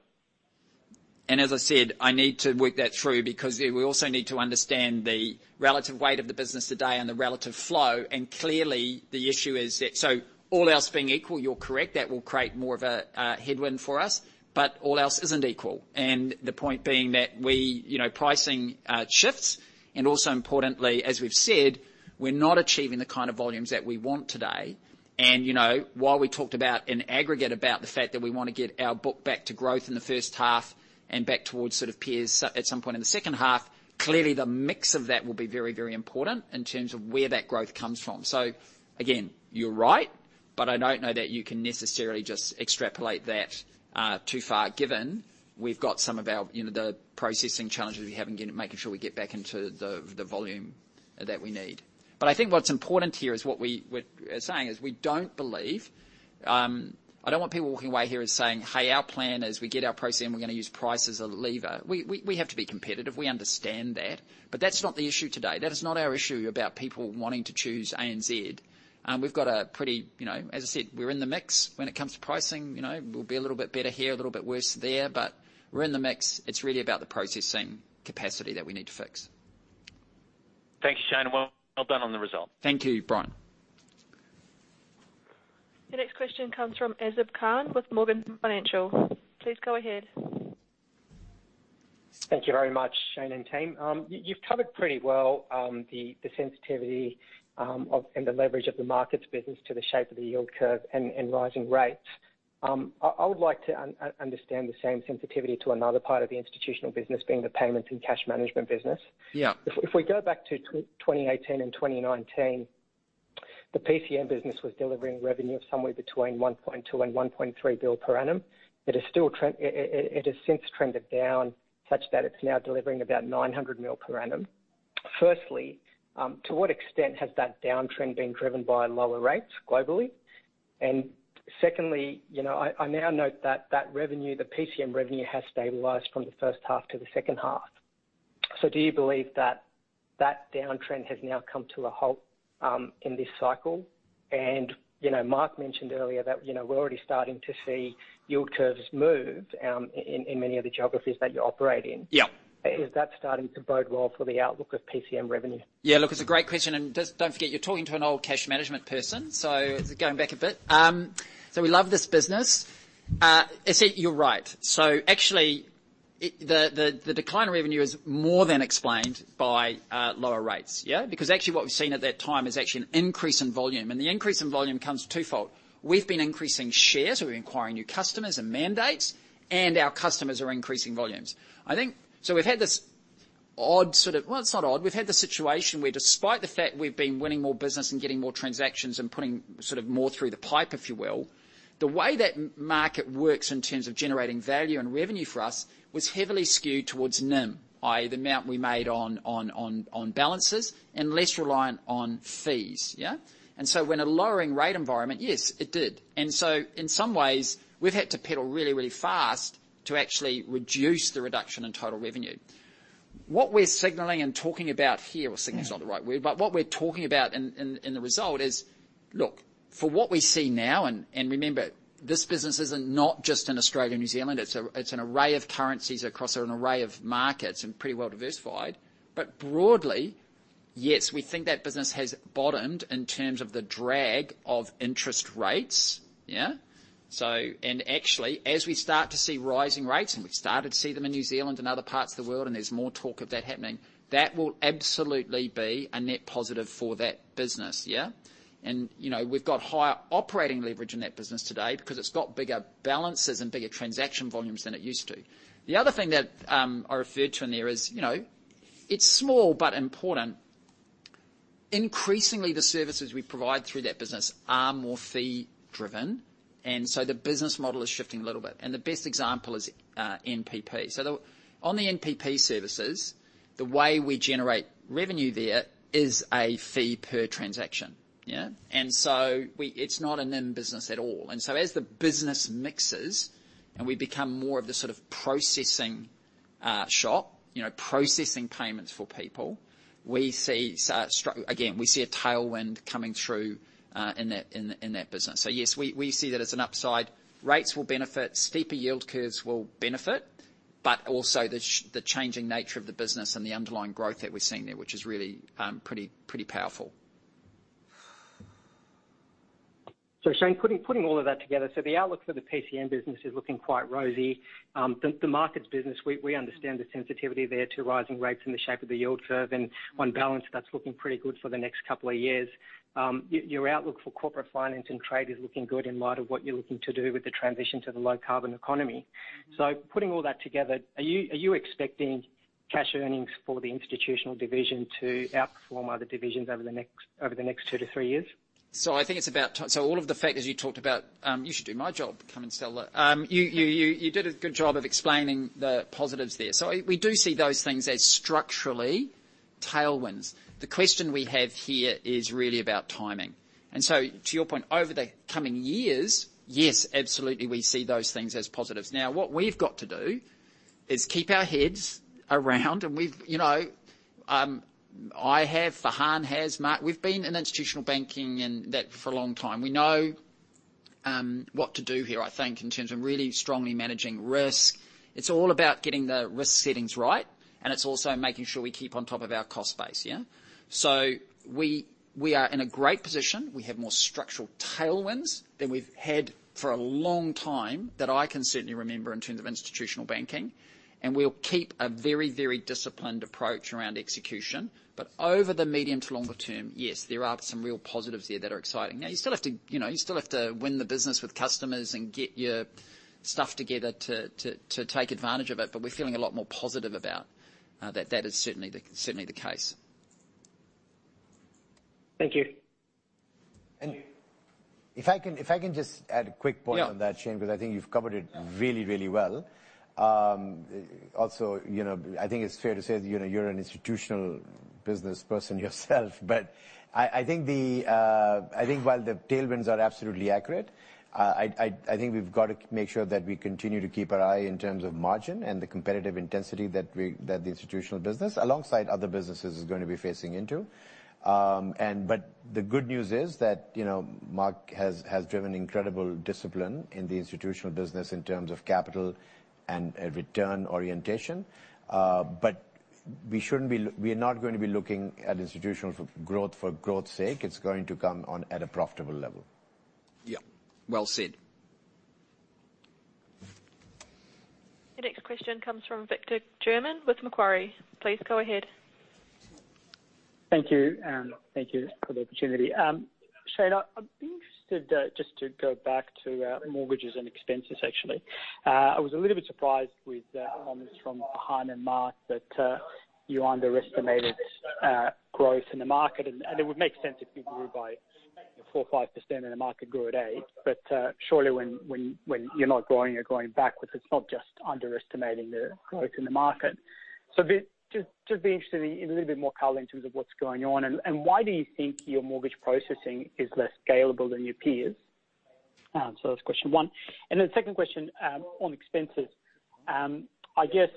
As I said, I need to work that through because, yeah, we also need to understand the relative weight of the business today and the relative flow. Clearly, the issue is that. So all else being equal, you're correct. That will create more of a headwind for us, but all else isn't equal. The point being that we, you know, pricing shifts. Also importantly, as we've said, we're not achieving the kind of volumes that we want today. You know, while we talked about, in aggregate, about the fact that we wanna get our book back to growth in the H1 and back towards sort of peers so at some point in the H2, clearly the mix of that will be very, very important in terms of where that growth comes from. Again, you're right, but I don't know that you can necessarily just extrapolate that too far, given we've got some of our, you know, the processing challenges we have and getting making sure we get back into the volume that we need. I think what's important here is what we were saying, is we don't believe I don't want people walking away here as saying, "Hey, our plan is we get our processing and we're gonna use price as a lever." We have to be competitive. We understand that, but that's not the issue today. That is not our issue about people wanting to choose ANZ. We've got a pretty, you know, as I said, we're in the mix when it comes to pricing. You know, we'll be a little bit better here, a little bit worse there, but we're in the mix. It's really about the processing capacity that we need to fix. Thank you, Shayne. Well done on the result. Thank you, Brian. The next question comes from Azib Khan with Morgans Financial. Please go ahead. Thank you very much, Shayne and team. You've covered pretty well the sensitivity of and the leverage of the markets business to the shape of the yield curve and rising rates. I would like to understand the same sensitivity to another part of the institutional business being the payments and cash management business. Yeah. If we go back to 2018 and 2019, the PCM business was delivering revenue of somewhere between 1.2 billion and 1.3 billion per annum. It has since trended down such that it's now delivering about 900 million per annum. Firstly, to what extent has that downtrend been driven by lower rates globally? And secondly, you know, I now note that that revenue, the PCM revenue, has stabilized from the H1 to the H2. Do you believe that that downtrend has now come to a halt in this cycle? You know, Mark mentioned earlier that, you know, we're already starting to see yield curves move in many of the geographies that you operate in. Yeah. Is that starting to bode well for the outlook of PCM revenue? Yeah, look, it's a great question. Just don't forget, you're talking to an old cash management person, so this is going back a bit. We love this business. You're right. Actually the decline in revenue is more than explained by lower rates, yeah? Because actually what we've seen at that time is actually an increase in volume. The increase in volume comes twofold. We've been increasing shares, so we're acquiring new customers and mandates, and our customers are increasing volumes. Well, it's not odd. We've had the situation where despite the fact we've been winning more business and getting more transactions and putting sort of more through the pipe, if you will. The way that the market works in terms of generating value and revenue for us was heavily skewed towards NIM, i.e., the amount we made on balances and less reliant on fees, yeah? When a lowering rate environment, yes, it did. In some ways, we've had to pedal really fast to actually reduce the reduction in total revenue. What we're signaling and talking about here. Well, signal's not the right word. What we're talking about in the result is, look, for what we see now, and remember, this business is not just in Australia and New Zealand. It's an array of currencies across an array of markets and pretty well diversified. Broadly, yes, we think that business has bottomed in terms of the drag of interest rates, yeah? Actually, as we start to see rising rates, and we've started to see them in New Zealand and other parts of the world, and there's more talk of that happening, that will absolutely be a net positive for that business, yeah? You know, we've got higher operating leverage in that business today because it's got bigger balances and bigger transaction volumes than it used to. The other thing that I referred to in there is, you know, it's small but important. Increasingly, the services we provide through that business are more fee driven, and so the business model is shifting a little bit. The best example is NPP. On the NPP services, the way we generate revenue there is a fee per transaction, yeah? It's not an NIM business at all. As the business mixes and we become more of the sort of processing shop, you know, processing payments for people, we see a tailwind coming through in that business. Yes, we see that as an upside. Rates will benefit, steeper yield curves will benefit, but also the changing nature of the business and the underlying growth that we're seeing there, which is really pretty powerful. Shayne, putting all of that together, the outlook for the PCM business is looking quite rosy. The markets business, we understand the sensitivity there to rising rates and the shape of the yield curve. On balance, that's looking pretty good for the next couple of years. Your outlook for corporate finance and trade is looking good in light of what you're looking to do with the transition to the low-carbon economy. Putting all that together, are you expecting cash earnings for the institutional division to outperform other divisions over the next two to three years? All of the factors you talked about, you should do my job, come and sell that. You did a good job of explaining the positives there. We do see those things as structural tailwinds. The question we have here is really about timing. To your point, over the coming years, yes, absolutely, we see those things as positives. Now, what we've got to do is keep our heads around, and we've you know I have, Farhan has, Mark, we've been in institutional banking and that for a long time. We know what to do here, I think, in terms of really strongly managing risk. It's all about getting the risk settings right, and it's also making sure we keep on top of our cost base, yeah? We are in a great position. We have more structural tailwinds than we've had for a long time that I can certainly remember in terms of institutional banking. We'll keep a very, very disciplined approach around execution. Over the medium to longer term, yes, there are some real positives there that are exciting. Now, you still have to, you know, win the business with customers and get your stuff together to take advantage of it, but we're feeling a lot more positive about that. That is certainly the case. Thank you. If I can just add a quick point on that. Yeah. Shayne, because I think you've covered it really, really well. Also, you know, I think it's fair to say that, you know, you're an institutional business person yourself, but I think while the tailwinds are absolutely accurate, I think we've got to make sure that we continue to keep our eye on terms of margin and the competitive intensity that the institutional business, alongside other businesses is gonna be facing into. But the good news is that, you know, Mark has driven incredible discipline in the institutional business in terms of capital and a return orientation. We're not going to be looking at institutional for growth for growth's sake. It's going to come on at a profitable level. Yeah. Well said. The next question comes from Victor German with Macquarie. Please go ahead. Thank you, and thank you for the opportunity. Shayne, I'd be interested just to go back to mortgages and expenses, actually. I was a little bit surprised with comments from Farhan and Mark that you underestimated growth in the market, and it would make sense if you grew by 4% or 5% and the market grew at 8%. Surely when you're not growing, you're going backwards. It's not just underestimating the growth in the market. I'd just be interested in a little bit more color in terms of what's going on. Why do you think your mortgage processing is less scalable than your peers? That's question one. Then the second question on expenses. I guess,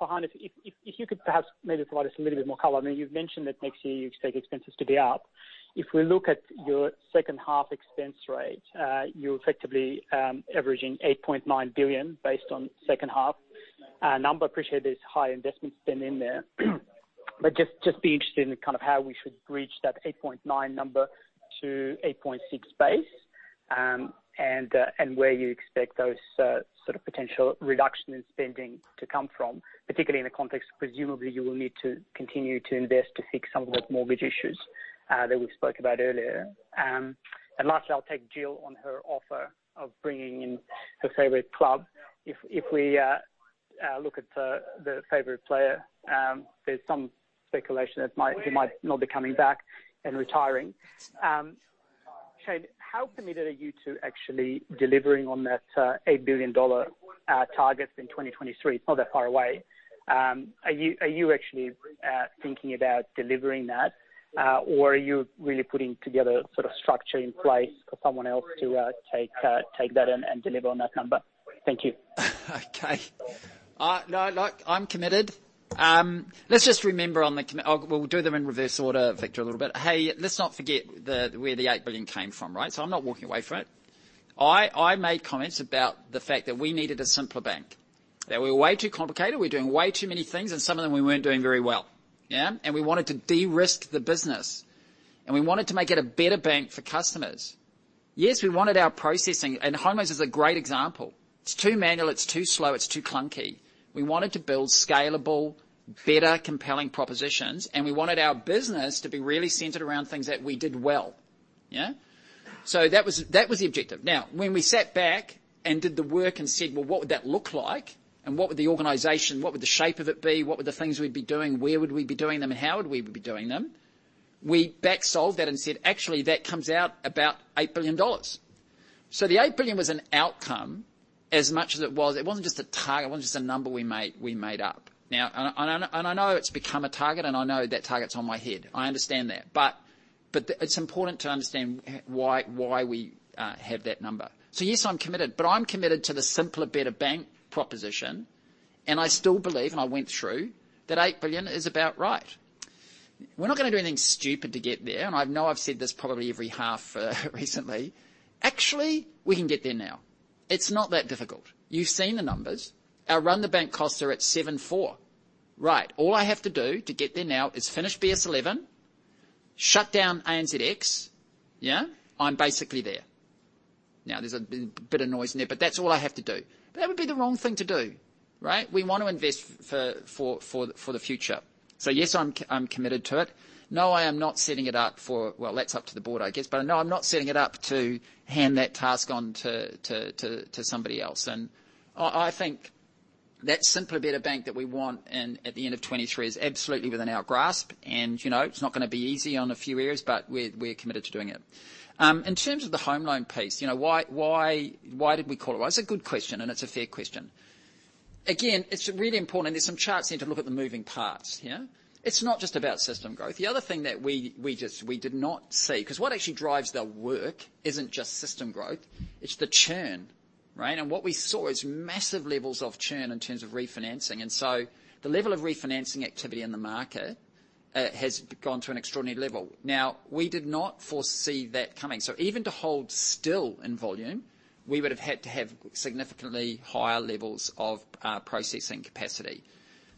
Farhan, if you could perhaps maybe provide us a little bit more color. I mean, you've mentioned that next year you expect expenses to be up. If we look at your H2 expense rate, you're effectively averaging 8.9 billion based on H2 number. Appreciate there's high investment spend in there. Just be interested in kind of how we should reach that 8.9 billion number to 8.6 billion base. Where you expect those sort of potential reduction in spending to come from, particularly in the context, presumably you will need to continue to invest to fix some of those mortgage issues that we spoke about earlier. Lastly, I'll take Jill on her offer of bringing in her favorite club. If we look at the favorite player, there's some speculation that he might not be coming back and retiring. Shayne, how committed are you to actually delivering on that 8 billion dollar target in 2023? It's not that far away. Are you actually thinking about delivering that? Or are you really putting together sort of structure in place for someone else to take that and deliver on that number? Thank you. Okay. No, like, I'm committed. Let's just remember on the com. We'll do them in reverse order, Victor, a little bit. Hey, let's not forget the, where the 8 billion came from, right? I'm not walking away from it. I made comments about the fact that we needed a simpler bank, that we were way too complicated, we were doing way too many things, and some of them we weren't doing very well. Yeah? We wanted to de-risk the business, and we wanted to make it a better bank for customers. Yes, we wanted our processing, and Home Loans is a great example. It's too manual, it's too slow, it's too clunky. We wanted to build scalable, better, compelling propositions, and we wanted our business to be really centered around things that we did well. Yeah? That was, that was the objective. When we sat back and did the work and said, "Well, what would that look like? What would the organization, what would the shape of it be? What were the things we'd be doing? Where would we be doing them? How would we be doing them?" We back solved that and said, "Actually, that comes out about 8 billion dollars." The eight billion was an outcome as much as it was. It wasn't just a target, it wasn't just a number we made up. I know it's become a target, and I know that target's on my head. I understand that. It's important to understand why we have that number. Yes, I'm committed, but I'm committed to the simpler, better bank proposition. I still believe, and I went through, that eight billion is about right. We're not gonna do anything stupid to get there. I know I've said this probably every half recently. Actually, we can get there now. It's not that difficult. You've seen the numbers. Our run-the-bank costs are at 74. Right. All I have to do to get there now is finish BS11, shut down ANZx. Yeah? I'm basically there. Now, there's a bit of noise in there, but that's all I have to do. That would be the wrong thing to do, right? We want to invest for the future. Yes, I'm committed to it. No, I am not setting it up for. Well, that's up to the board, I guess. No, I'm not setting it up to hand that task on to somebody else. I think that simpler, better bank that we want and at the end of 2023 is absolutely within our grasp. You know, it's not gonna be easy in a few areas, but we're committed to doing it. In terms of the home loan piece, you know, why did we call it? Well, it's a good question and it's a fair question. Again, it's really important. There are some charts we need to look at the moving parts here. It's not just about system growth. The other thing that we just did not see, 'cause what actually drives the work isn't just system growth, it's the churn, right? What we saw is massive levels of churn in terms of refinancing. So the level of refinancing activity in the market has gone to an extraordinary level. Now, we did not foresee that coming. Even to hold still in volume, we would have had to have significantly higher levels of processing capacity.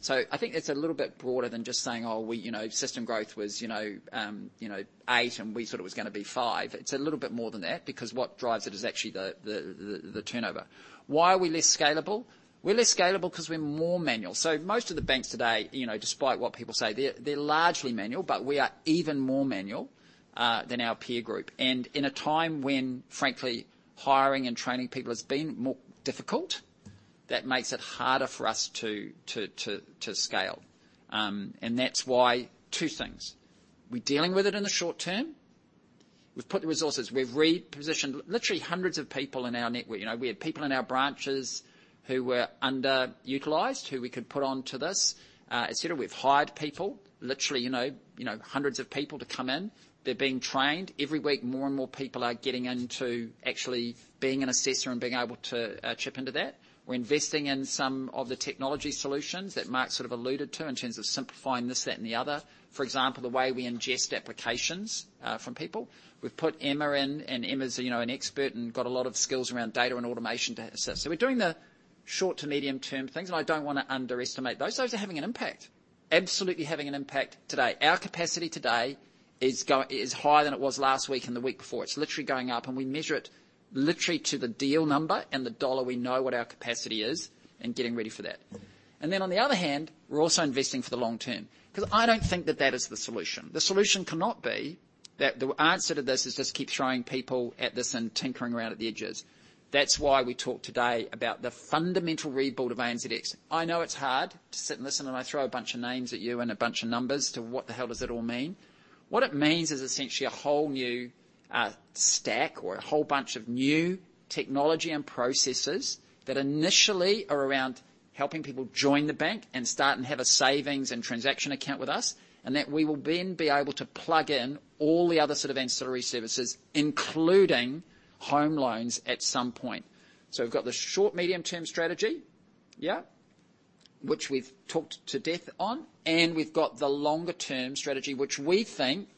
I think it's a little bit broader than just saying, "Oh, we system growth was 8% and we thought it was gonna be 5%." It's a little bit more than that because what drives it is actually the turnover. Why are we less scalable? We're less scalable because we're more manual. Most of the banks today, despite what people say, they're largely manual. We are even more manual than our peer group. In a time when, frankly, hiring and training people has been more difficult, that makes it harder for us to scale. That's why two things. We're dealing with it in the short term. We've put the resources. We've repositioned literally hundreds of people in our network. You know, we had people in our branches who were underutilized, who we could put onto this, et cetera. We've hired people, literally, you know, hundreds of people to come in. They're being trained. Every week, more and more people are getting into actually being an assessor and being able to chip into that. We're investing in some of the technology solutions that Mark sort of alluded to in terms of simplifying this, that, and the other. For example, the way we ingest applications from people. We've put Emma in, and Emma's, you know, an expert and got a lot of skills around data and automation to assist. We're doing the short to medium term things, and I don't wanna underestimate those. Those are having an impact. Absolutely having an impact today. Our capacity today is higher than it was last week and the week before. It's literally going up and we measure it literally to the deal number and the dollar. We know what our capacity is and getting ready for that. On the other hand, we're also investing for the long term, 'cause I don't think that is the solution. The solution cannot be that the answer to this is just keep throwing people at this and tinkering around at the edges. That's why we talked today about the fundamental rebuild of ANZx. I know it's hard to sit and listen, and I throw a bunch of names at you and a bunch of numbers, too. What the hell does it all mean. What it means is essentially a whole new stack or a whole bunch of new technology and processes that initially are around helping people join the bank and start and have a savings and transaction account with us, and that we will then be able to plug in all the other sort of ancillary services, including home loans at some point. We've got the short, medium term strategy, yeah, which we've talked to death on, and we've got the longer term strategy, which we think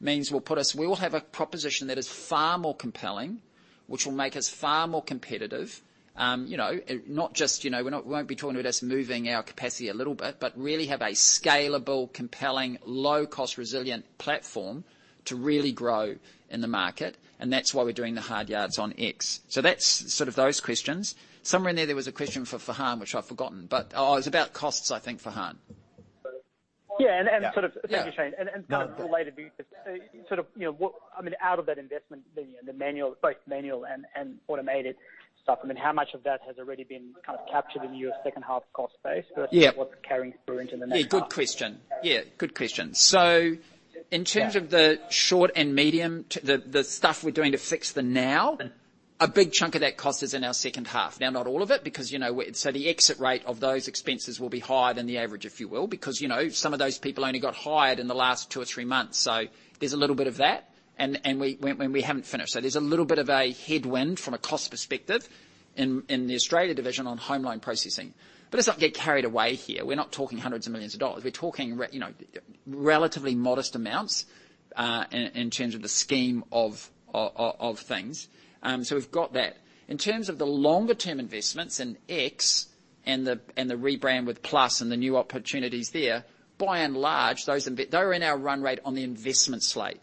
means we will have a proposition that is far more compelling, which will make us far more competitive. You know, not just, you know, we won't be talking about us moving our capacity a little bit, but really have a scalable, compelling, low cost, resilient platform to really grow in the market, and that's why we're doing the hard yards on X. That's sort of those questions. Somewhere in there was a question for Farhan which I've forgotten, but oh, it was about costs, I think, Farhan. Yeah. Yeah. Thank you, Shayne. No worries. Kind of relatedly, sort of, you know, what I mean, out of that investment, you know, the manual, both manual and automated stuff, I mean, how much of that has already been kind of captured in your H2 cost base? Yeah. Versus what's carrying through into the next half? Yeah, good question. The stuff we're doing to fix the now- Mm-hmm. A big chunk of that cost is in our H2. Now, not all of it because, you know, the exit rate of those expenses will be higher than the average, if you will, because, you know, some of those people only got hired in the last two or three months. There's a little bit of that and we haven't finished. There's a little bit of a headwind from a cost perspective in the Australia division on home loan processing. Let's not get carried away here. We're not talking hundreds of millions AUD. We're talking relatively modest amounts in terms of the scheme of things. We've got that. In terms of the longer term investments in ANZx and the rebrand with Plus and the new opportunities there, by and large, those investments are in our run rate on the investment slate.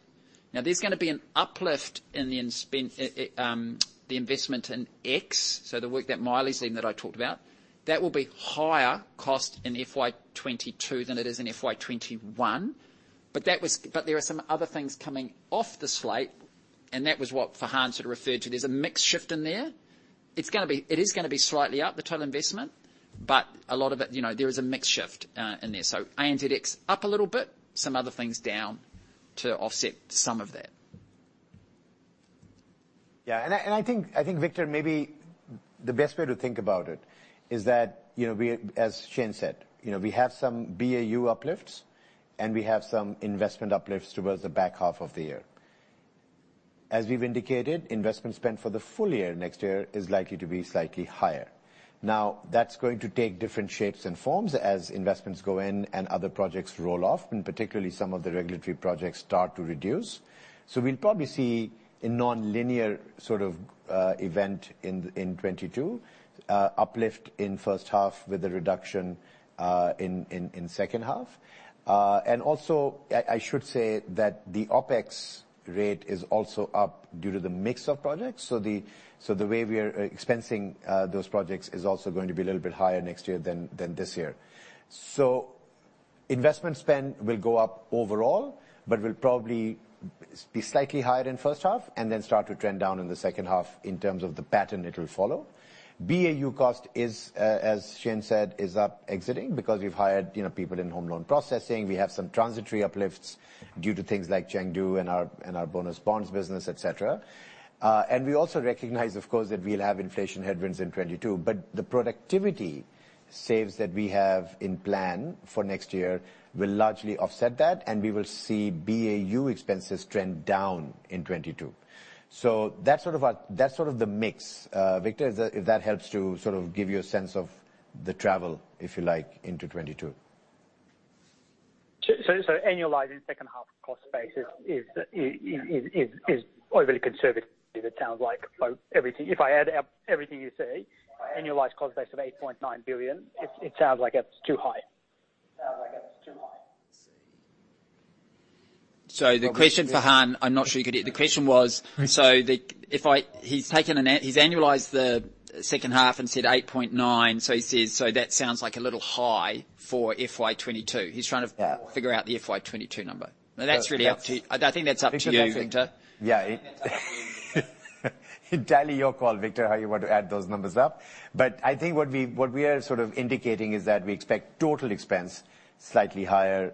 Now, there is going to be an uplift in the investment in ANZx, so the work that Maile is in that I talked about. That will be higher cost in FY 2022 than it is in FY 2021. There are some other things coming off the slate, and that was what Farhan sort of referred to. There is a mix shift in there. It is going to be slightly up, the total investment, but a lot of it, you know, there is a mix shift in there. ANZx up a little bit, some other things down to offset some of that. I think Victor, maybe the best way to think about it is that, you know, as Shayne said, you know, we have some BAU uplifts, and we have some investment uplifts towards the back half of the year. As we've indicated, investment spend for the full year next year is likely to be slightly higher. Now, that's going to take different shapes and forms as investments go in and other projects roll off, and particularly some of the regulatory projects start to reduce. We'll probably see a nonlinear sort of event in 2022, uplift in H1 with a reduction in H2. Also, I should say that the OpEx rate is also up due to the mix of projects. The way we are expensing those projects is also going to be a little bit higher next year than this year. Investment spend will go up overall but will probably be slightly higher in H1 and then start to trend down in the H2 in terms of the pattern it will follow. BAU cost, as Shayne said, is up exiting because we've hired people in home loan processing. We have some transitory uplifts due to things like Chengdu and our Bonus Bonds business, et cetera. We also recognize, of course, that we'll have inflation headwinds in 2022, but the productivity saves that we have in plan for next year will largely offset that, and we will see BAU expenses trend down in 2022. That's sort of the mix. Victor, if that helps to sort of give you a sense of the travel, if you like, into 2022. Annualizing H2 cost base is overly conservative, it sounds like. Everything. If I add up everything you say, annualized cost base of 8.9 billion, it sounds like it's too high. It sounds like it's too high. Let's see. The question, Farhan, I'm not sure you could hear. The question was, if I... He's annualized the H2 and said 8.9. He says, "So that sounds like a little high for FY 2022." He's trying to Yeah. Figure out the FY 2022 number. Now, that's really up to you. I think that's up to you. Yeah. Entirely your call, Victor, how you want to add those numbers up. I think what we are sort of indicating is that we expect total expense slightly higher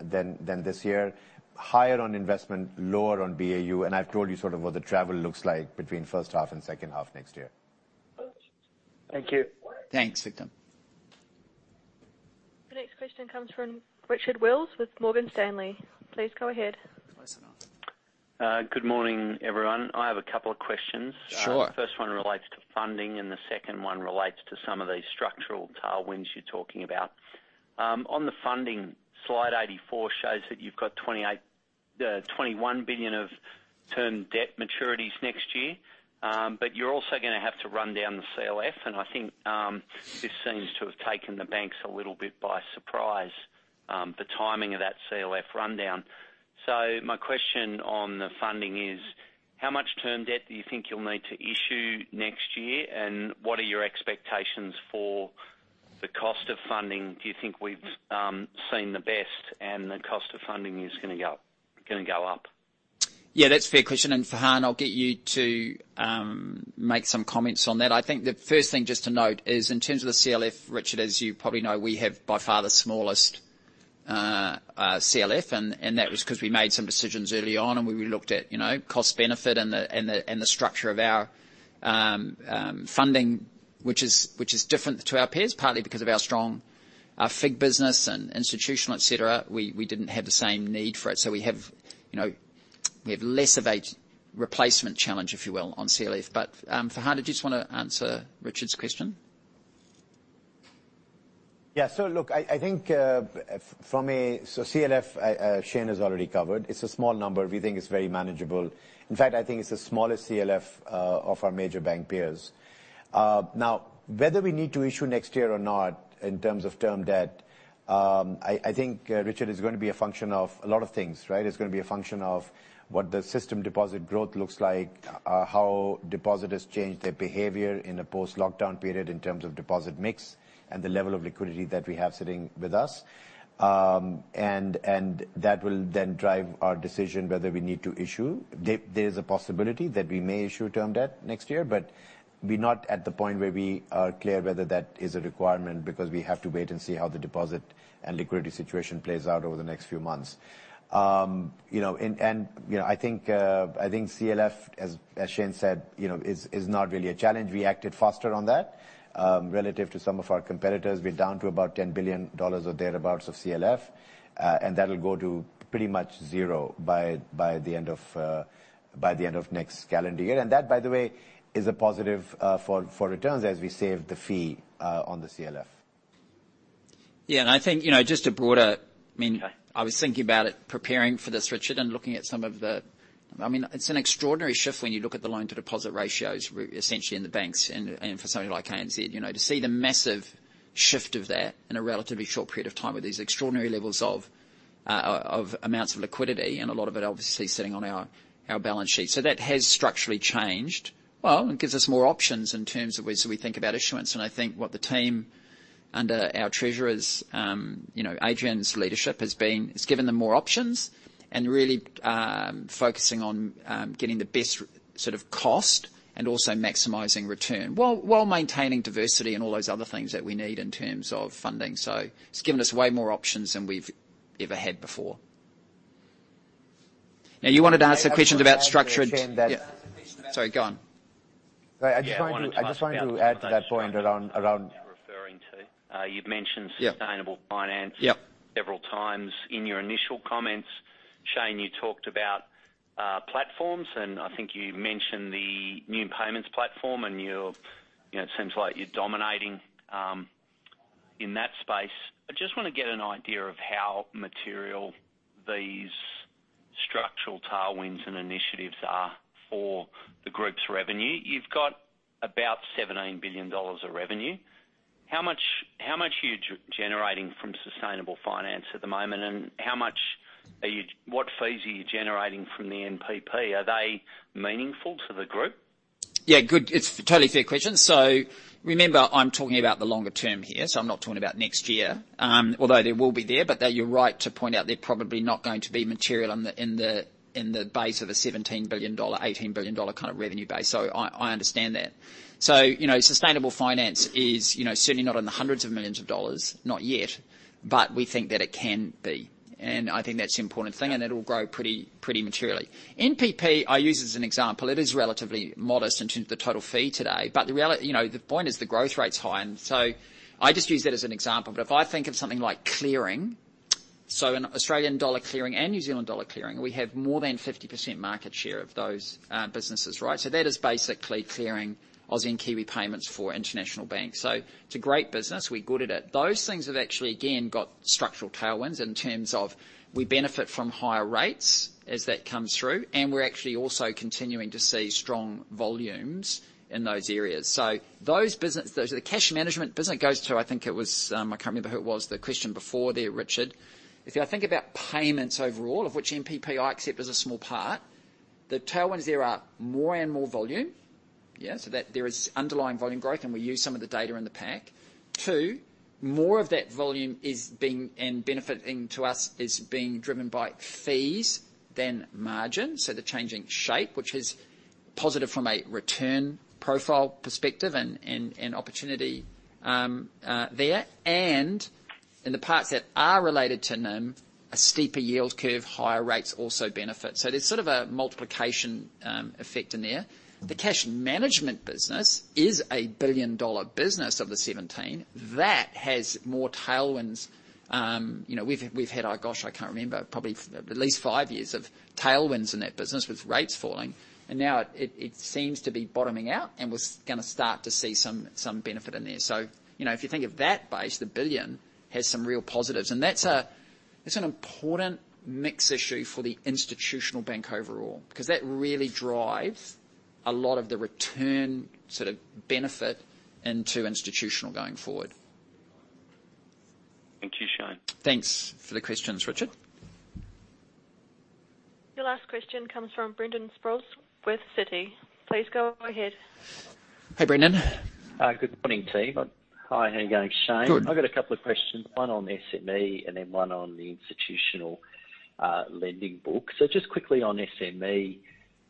than this year. Higher on investment, lower on BAU, and I've told you sort of what the travel looks like between H1 and H2 next year. Thank you. Thanks, Victor. The next question comes from Richard Wiles with Morgan Stanley. Please go ahead. Close enough. Good morning, everyone. I have a couple of questions. Sure. First one relates to funding and the second one relates to some of these structural tailwinds you're talking about. On the funding, slide 84 shows that you've got 21 billion of term debt maturities next year. You're also gonna have to run down the CLF, and I think this seems to have taken the banks a little bit by surprise, the timing of that CLF rundown. My question on the funding is: how much term debt do you think you'll need to issue next year, and what are your expectations for the cost of funding? Do you think we've seen the best and the cost of funding is gonna go up? Yeah, that's a fair question. Farhan, I'll get you to make some comments on that. I think the first thing just to note is in terms of the CLF, Richard, as you probably know, we have by far the smallest CLF, and that was 'cause we made some decisions early on and we looked at, you know, cost benefit and the structure of our funding, which is different to our peers, partly because of our strong FIG business and institutional, et cetera. We didn't have the same need for it. We have less of a replacement challenge, if you will, on CLF. Farhan, do you just wanna answer Richard's question? Yeah. Look, I think CLF, Shayne has already covered. It's a small number. We think it's very manageable. In fact, I think it's the smallest CLF of our major bank peers. Now, whether we need to issue next year or not in terms of term debt, I think, Richard Wiles, is going to be a function of a lot of things, right? It's going to be a function of what the system deposit growth looks like, how depositors change their behavior in a post-lockdown period in terms of deposit mix and the level of liquidity that we have sitting with us. And that will then drive our decision whether we need to issue. There is a possibility that we may issue term debt next year, but we're not at the point where we are clear whether that is a requirement because we have to wait and see how the deposit and liquidity situation plays out over the next few months. You know, I think CLF, as Shayne said, you know, is not really a challenge. We acted faster on that. Relative to some of our competitors, we're down to about 10 billion dollars or thereabouts of CLF, and that'll go to pretty much zero by the end of next calendar year. That, by the way, is a positive for returns as we save the fee on the CLF. I think, you know, I mean, I was thinking about it preparing for this, Richard. I mean, it's an extraordinary shift when you look at the loan-to-deposit ratios essentially in the banks and for somebody like ANZ. You know, to see the massive shift of that in a relatively short period of time with these extraordinary levels of amounts of liquidity, and a lot of it obviously sitting on our balance sheet. So that has structurally changed. Well, it gives us more options in terms of ways we think about issuance. I think what the team under our Treasurer's Adrian's leadership has been, it's given them more options and really focusing on getting the best sort of cost and also maximizing return, while maintaining diversity and all those other things that we need in terms of funding. It's given us way more options than we've ever had before. Now, you wanted to ask a question about structured. I just wanted to add here, Shayne, that. Sorry, go on. Yeah, I wanted to. I just wanted to add to that point around. You've mentioned- Yeah. Sustainable finance Yeah. Several times in your initial comments. Shayne, you talked about platforms, and I think you mentioned the new payments platform and you know, it seems like you're dominating in that space. I just wanna get an idea of how material these structural tailwinds and initiatives are for the group's revenue. You've got about 17 billion dollars of revenue. How much are you generating from sustainable finance at the moment, and what fees are you generating from the NPP? Are they meaningful to the group? Yeah. Good. It's a totally fair question. Remember, I'm talking about the longer term here, so I'm not talking about next year, although they will be there, but you're right to point out they're probably not going to be material in the base of a 17 billion dollar, 18 billion dollar kind of revenue base. I understand that. You know, sustainable finance is, you know, certainly not in the AUD hundreds of millions, not yet, but we think that it can be, and I think that's the important thing, and it'll grow pretty materially. NPP, I use as an example. It is relatively modest in terms of the total fee today, but you know, the point is the growth rate's high. I just use that as an example. If I think of something like clearing, so in Australian dollar clearing and New Zealand dollar clearing, we have more than 50% market share of those businesses, right? That is basically clearing Aussie and Kiwi payments for international banks. It's a great business. We're good at it. Those things have actually again got structural tailwinds in terms of we benefit from higher rates as that comes through, and we're actually also continuing to see strong volumes in those areas. The cash management business goes to, I think it was, I can't remember who it was, the question before there, Richard. If I think about payments overall, of which NPP I accept is a small part, the tailwinds there are more and more volume. Yeah. That there is underlying volume growth, and we use some of the data in the pack. 2, more of that volume is benefiting us and is being driven by fees than margin, so the changing shape, which is positive from a return profile perspective and opportunity, there. In the parts that are related to NIM, a steeper yield curve, higher rates also benefit. There's sort of a multiplication effect in there. The cash management business is a billion-dollar business of the 17. That has more tailwinds. You know, we've had, oh, gosh, I can't remember, probably at least 5 years of tailwinds in that business with rates falling, and now it seems to be bottoming out and we're gonna start to see some benefit in there. You know, if you think of that base, the billion has some real positives. That's an important mix issue for the institutional bank overall, because that really drives a lot of the return sort of benefit into institutional going forward. Thank you, Shayne. Thanks for the questions, Richard. Your last question comes from Brendan Sproules with Citi. Please go ahead. Hey, Brendan. Good morning, team. Hi, how you going, Shayne? Good. I've got a couple of questions, one on SME and then one on the institutional lending book. Just quickly on SME,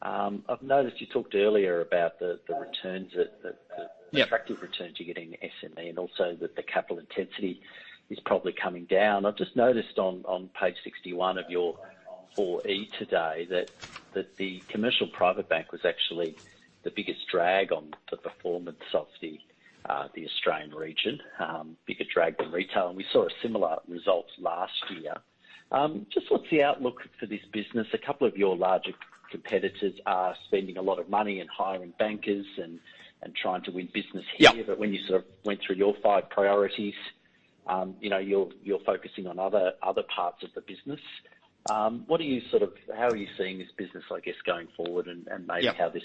I've noticed you talked earlier about the returns that Yeah. The attractive returns you're getting in SME and also that the capital intensity is probably coming down. I've just noticed on page 61 of your 4E today that the commercial private bank was actually the biggest drag on the performance of the Australian region, bigger drag than retail, and we saw a similar result last year. Just what's the outlook for this business? A couple of your larger competitors are spending a lot of money and hiring bankers and trying to win business here. Yeah. when you sort of went through your five priorities, you know, you're focusing on other parts of the business. How are you seeing this business, I guess, going forward and maybe- Yeah. How this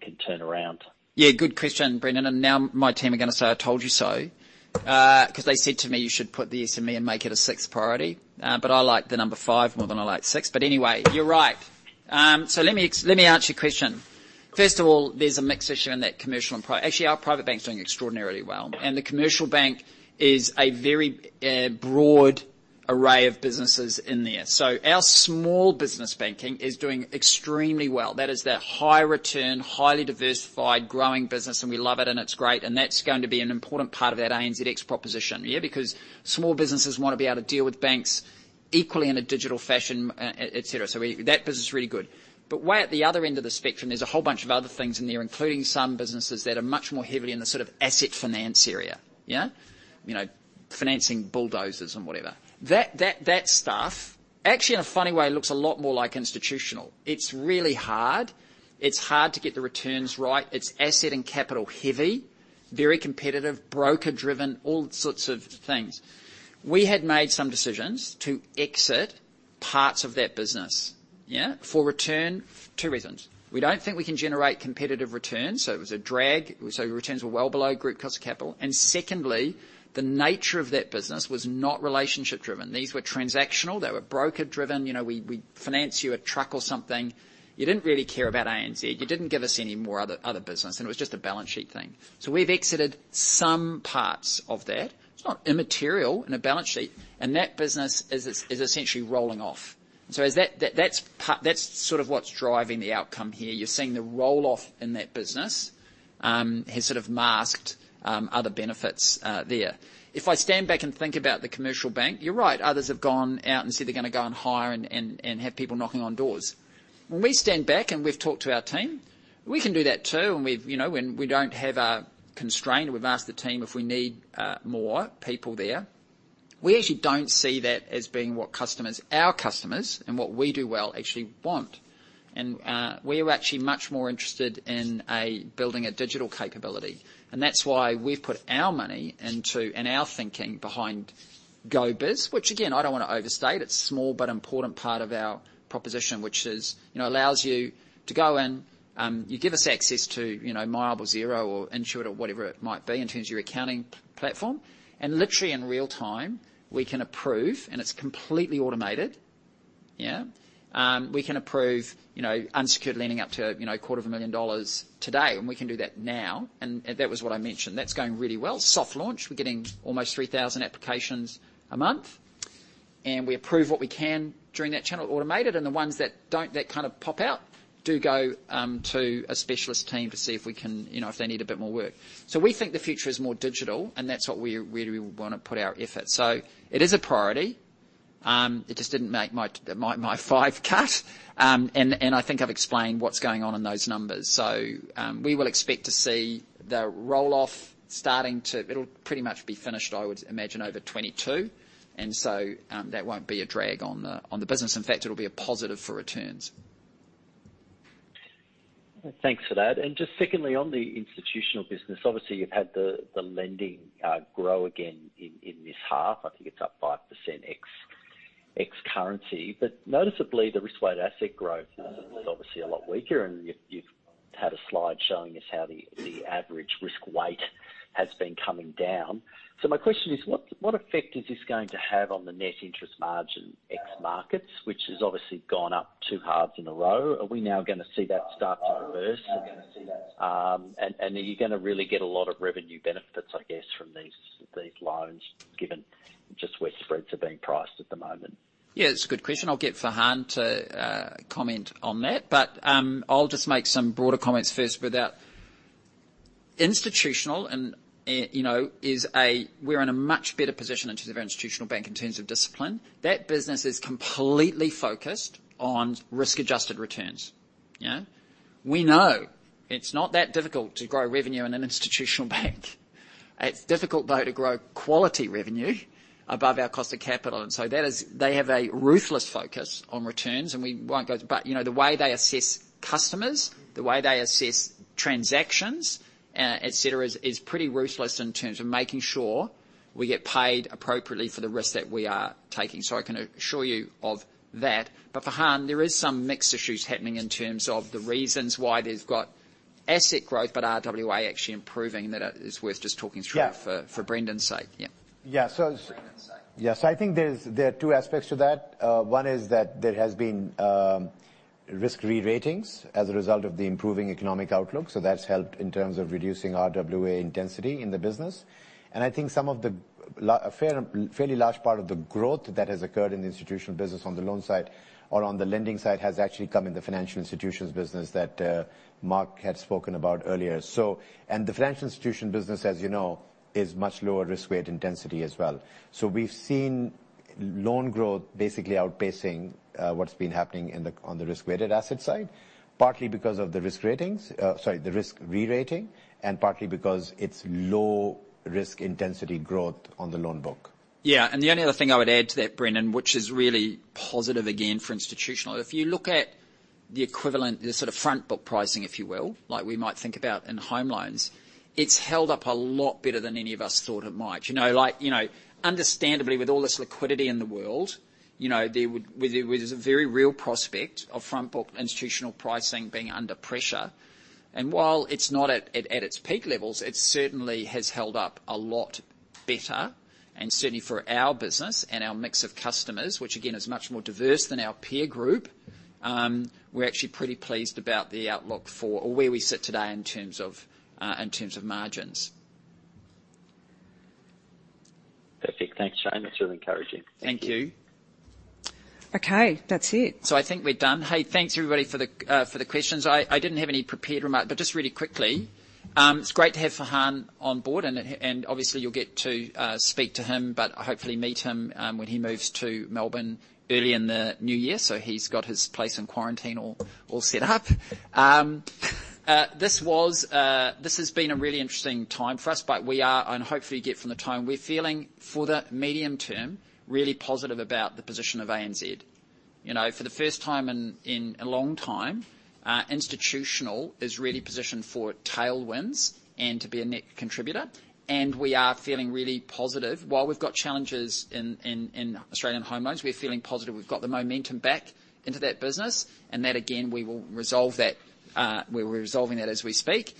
can turn around? Yeah, good question, Brendan. Now my team are gonna say, "I told you so," 'cause they said to me, "You should put the SME and make it a sixth priority." I like the number five more than I like six. Anyway, you're right. Let me answer your question. First of all, there's a mix issue in that commercial and actually, our private bank's doing extraordinarily well, and the commercial bank is a very broad array of businesses in there. Our small business banking is doing extremely well. That is that high return, highly diversified, growing business, and we love it and it's great, and that's going to be an important part of that ANZx proposition. Yeah. Because small businesses wanna be able to deal with banks equally in a digital fashion, et cetera. That business is really good. Way at the other end of the spectrum, there's a whole bunch of other things in there, including some businesses that are much more heavily in the sort of asset finance area. Yeah. You know, financing bulldozers and whatever. That stuff, actually, in a funny way, looks a lot more like institutional. It's really hard. It's hard to get the returns right. It's asset and capital heavy, very competitive, broker-driven, all sorts of things. We had made some decisions to exit parts of that business, yeah, for return. Two reasons. We don't think we can generate competitive returns, so it was a drag. The returns were well below Group cost of capital. Secondly, the nature of that business was not relationship-driven. These were transactional. They were broker-driven. You know, we finance you a truck or something. You didn't really care about ANZ. You didn't give us any more other business, and it was just a balance sheet thing. We've exited some parts of that. It's not immaterial in a balance sheet. That business is essentially rolling off. That's sort of what's driving the outcome here. You're seeing the roll-off in that business has sort of masked other benefits there. If I stand back and think about the commercial bank, you're right, others have gone out and said they're gonna go and hire and have people knocking on doors. When we stand back and we've talked to our team, we can do that too, and we've you know when we don't have a constraint, and we've asked the team if we need more people there. We actually don't see that as being what customers, our customers, and what we do well actually want. We're actually much more interested in building a digital capability, and that's why we've put our money into, and our thinking behind GoBiz, which again, I don't wanna overstate. It's small but important part of our proposition, which is, you know, allows you to go in, you give us access to, you know, MYOB or Xero or Intuit or whatever it might be in terms of your accounting platform. Literally in real time, we can approve, and it's completely automated. We can approve, you know, unsecured lending up to, you know, AUD a quarter of a million dollars today, and we can do that now. That was what I mentioned. That's going really well. Soft launch, we're getting almost 3,000 applications a month. We approve what we can during that channel automated. The ones that don't, that kind of pop out, do go to a specialist team to see if we can you know, if they need a bit more work. We think the future is more digital, and that's what we, where we wanna put our effort. It is a priority, it just didn't make my five cut. I think I've explained what's going on in those numbers. We will expect to see the roll-off starting to. It'll pretty much be finished, I would imagine, over 2022. That won't be a drag on the business. In fact, it'll be a positive for returns. Thanks for that. Just secondly, on the institutional business, obviously you've had the lending grow again in this half. I think it's up 5% ex currency. Noticeably, the risk-weighted asset growth is obviously a lot weaker, and you've had a slide showing us how the average risk weight has been coming down. My question is, what effect is this going to have on the net interest margin ex markets, which has obviously gone up two halves in a row? Are we now gonna see that start to reverse? And are you gonna really get a lot of revenue benefits, I guess, from these loans, given just where spreads are being priced at the moment? Yeah, it's a good question. I'll get Farhan to comment on that. I'll just make some broader comments first. We're in a much better position in terms of our Institutional bank in terms of discipline. That business is completely focused on risk-adjusted returns. Yeah? We know it's not that difficult to grow revenue in an Institutional bank. It's difficult, though, to grow quality revenue above our cost of capital, and so that is. They have a ruthless focus on returns, and we won't go. You know, the way they assess customers, the way they assess transactions, et cetera, is pretty ruthless in terms of making sure we get paid appropriately for the risk that we are taking. So I can assure you of that. Farhan, there is some mixed issues happening in terms of the reasons why they've got asset growth, but RWA actually improving, that is worth just talking through. Yeah. For Brendan's sake. Yeah. Yeah. For Brendan's sake. Yeah. I think there are two aspects to that. One is that there has been risk re-ratings as a result of the improving economic outlook. That's helped in terms of reducing RWA intensity in the business. I think a fairly large part of the growth that has occurred in the institutional business on the loan side or on the lending side has actually come in the financial institutions business that Mark had spoken about earlier. The financial institution business, as you know, is much lower risk-weighted intensity as well. We've seen loan growth basically outpacing what's been happening on the risk-weighted asset side, partly because of the risk re-rating, and partly because it's low risk intensity growth on the loan book. Yeah. The only other thing I would add to that, Brendan, which is really positive again for institutional. If you look at the equivalent, the sort of front book pricing, if you will, like we might think about in home loans, it's held up a lot better than any of us thought it might. You know, like, you know, understandably, with all this liquidity in the world, you know, there would be with a very real prospect of front book institutional pricing being under pressure. While it's not at its peak levels, it certainly has held up a lot better. Certainly for our business and our mix of customers, which again, is much more diverse than our peer group, we're actually pretty pleased about the outlook for where we sit today in terms of margins. Perfect. Thanks, Shayne. That's really encouraging. Thank you. Thank you. Okay, that's it. I think we're done. Hey, thanks, everybody, for the questions. I didn't have any prepared remark, but just really quickly, it's great to have Farhan on board and obviously you'll get to speak to him, but hopefully meet him when he moves to Melbourne early in the new year. He's got his place in quarantine all set up. This has been a really interesting time for us. But we are, and hopefully you get from the tone, we're feeling for the medium term really positive about the position of ANZ. You know, for the first time in a long time, Institutional is really positioned for tailwinds and to be a net contributor. We are feeling really positive. While we've got challenges in Australian home loans, we're feeling positive we've got the momentum back into that business, and that, again, we will resolve that. We're resolving that as we speak.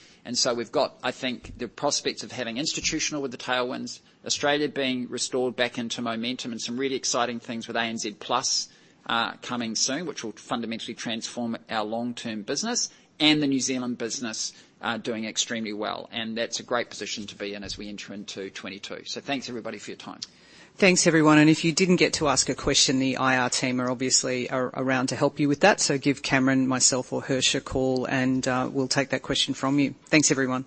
We've got, I think, the prospects of having institutional with the tailwinds, Australia being restored back into momentum and some really exciting things with ANZ Plus coming soon, which will fundamentally transform our long-term business, and the New Zealand business doing extremely well. That's a great position to be in as we enter into 2022. Thanks, everybody, for your time. Thanks, everyone. If you didn't get to ask a question, the IR team are obviously around to help you with that. Give Cameron, myself, or Hersh a call, and we'll take that question from you. Thanks, everyone.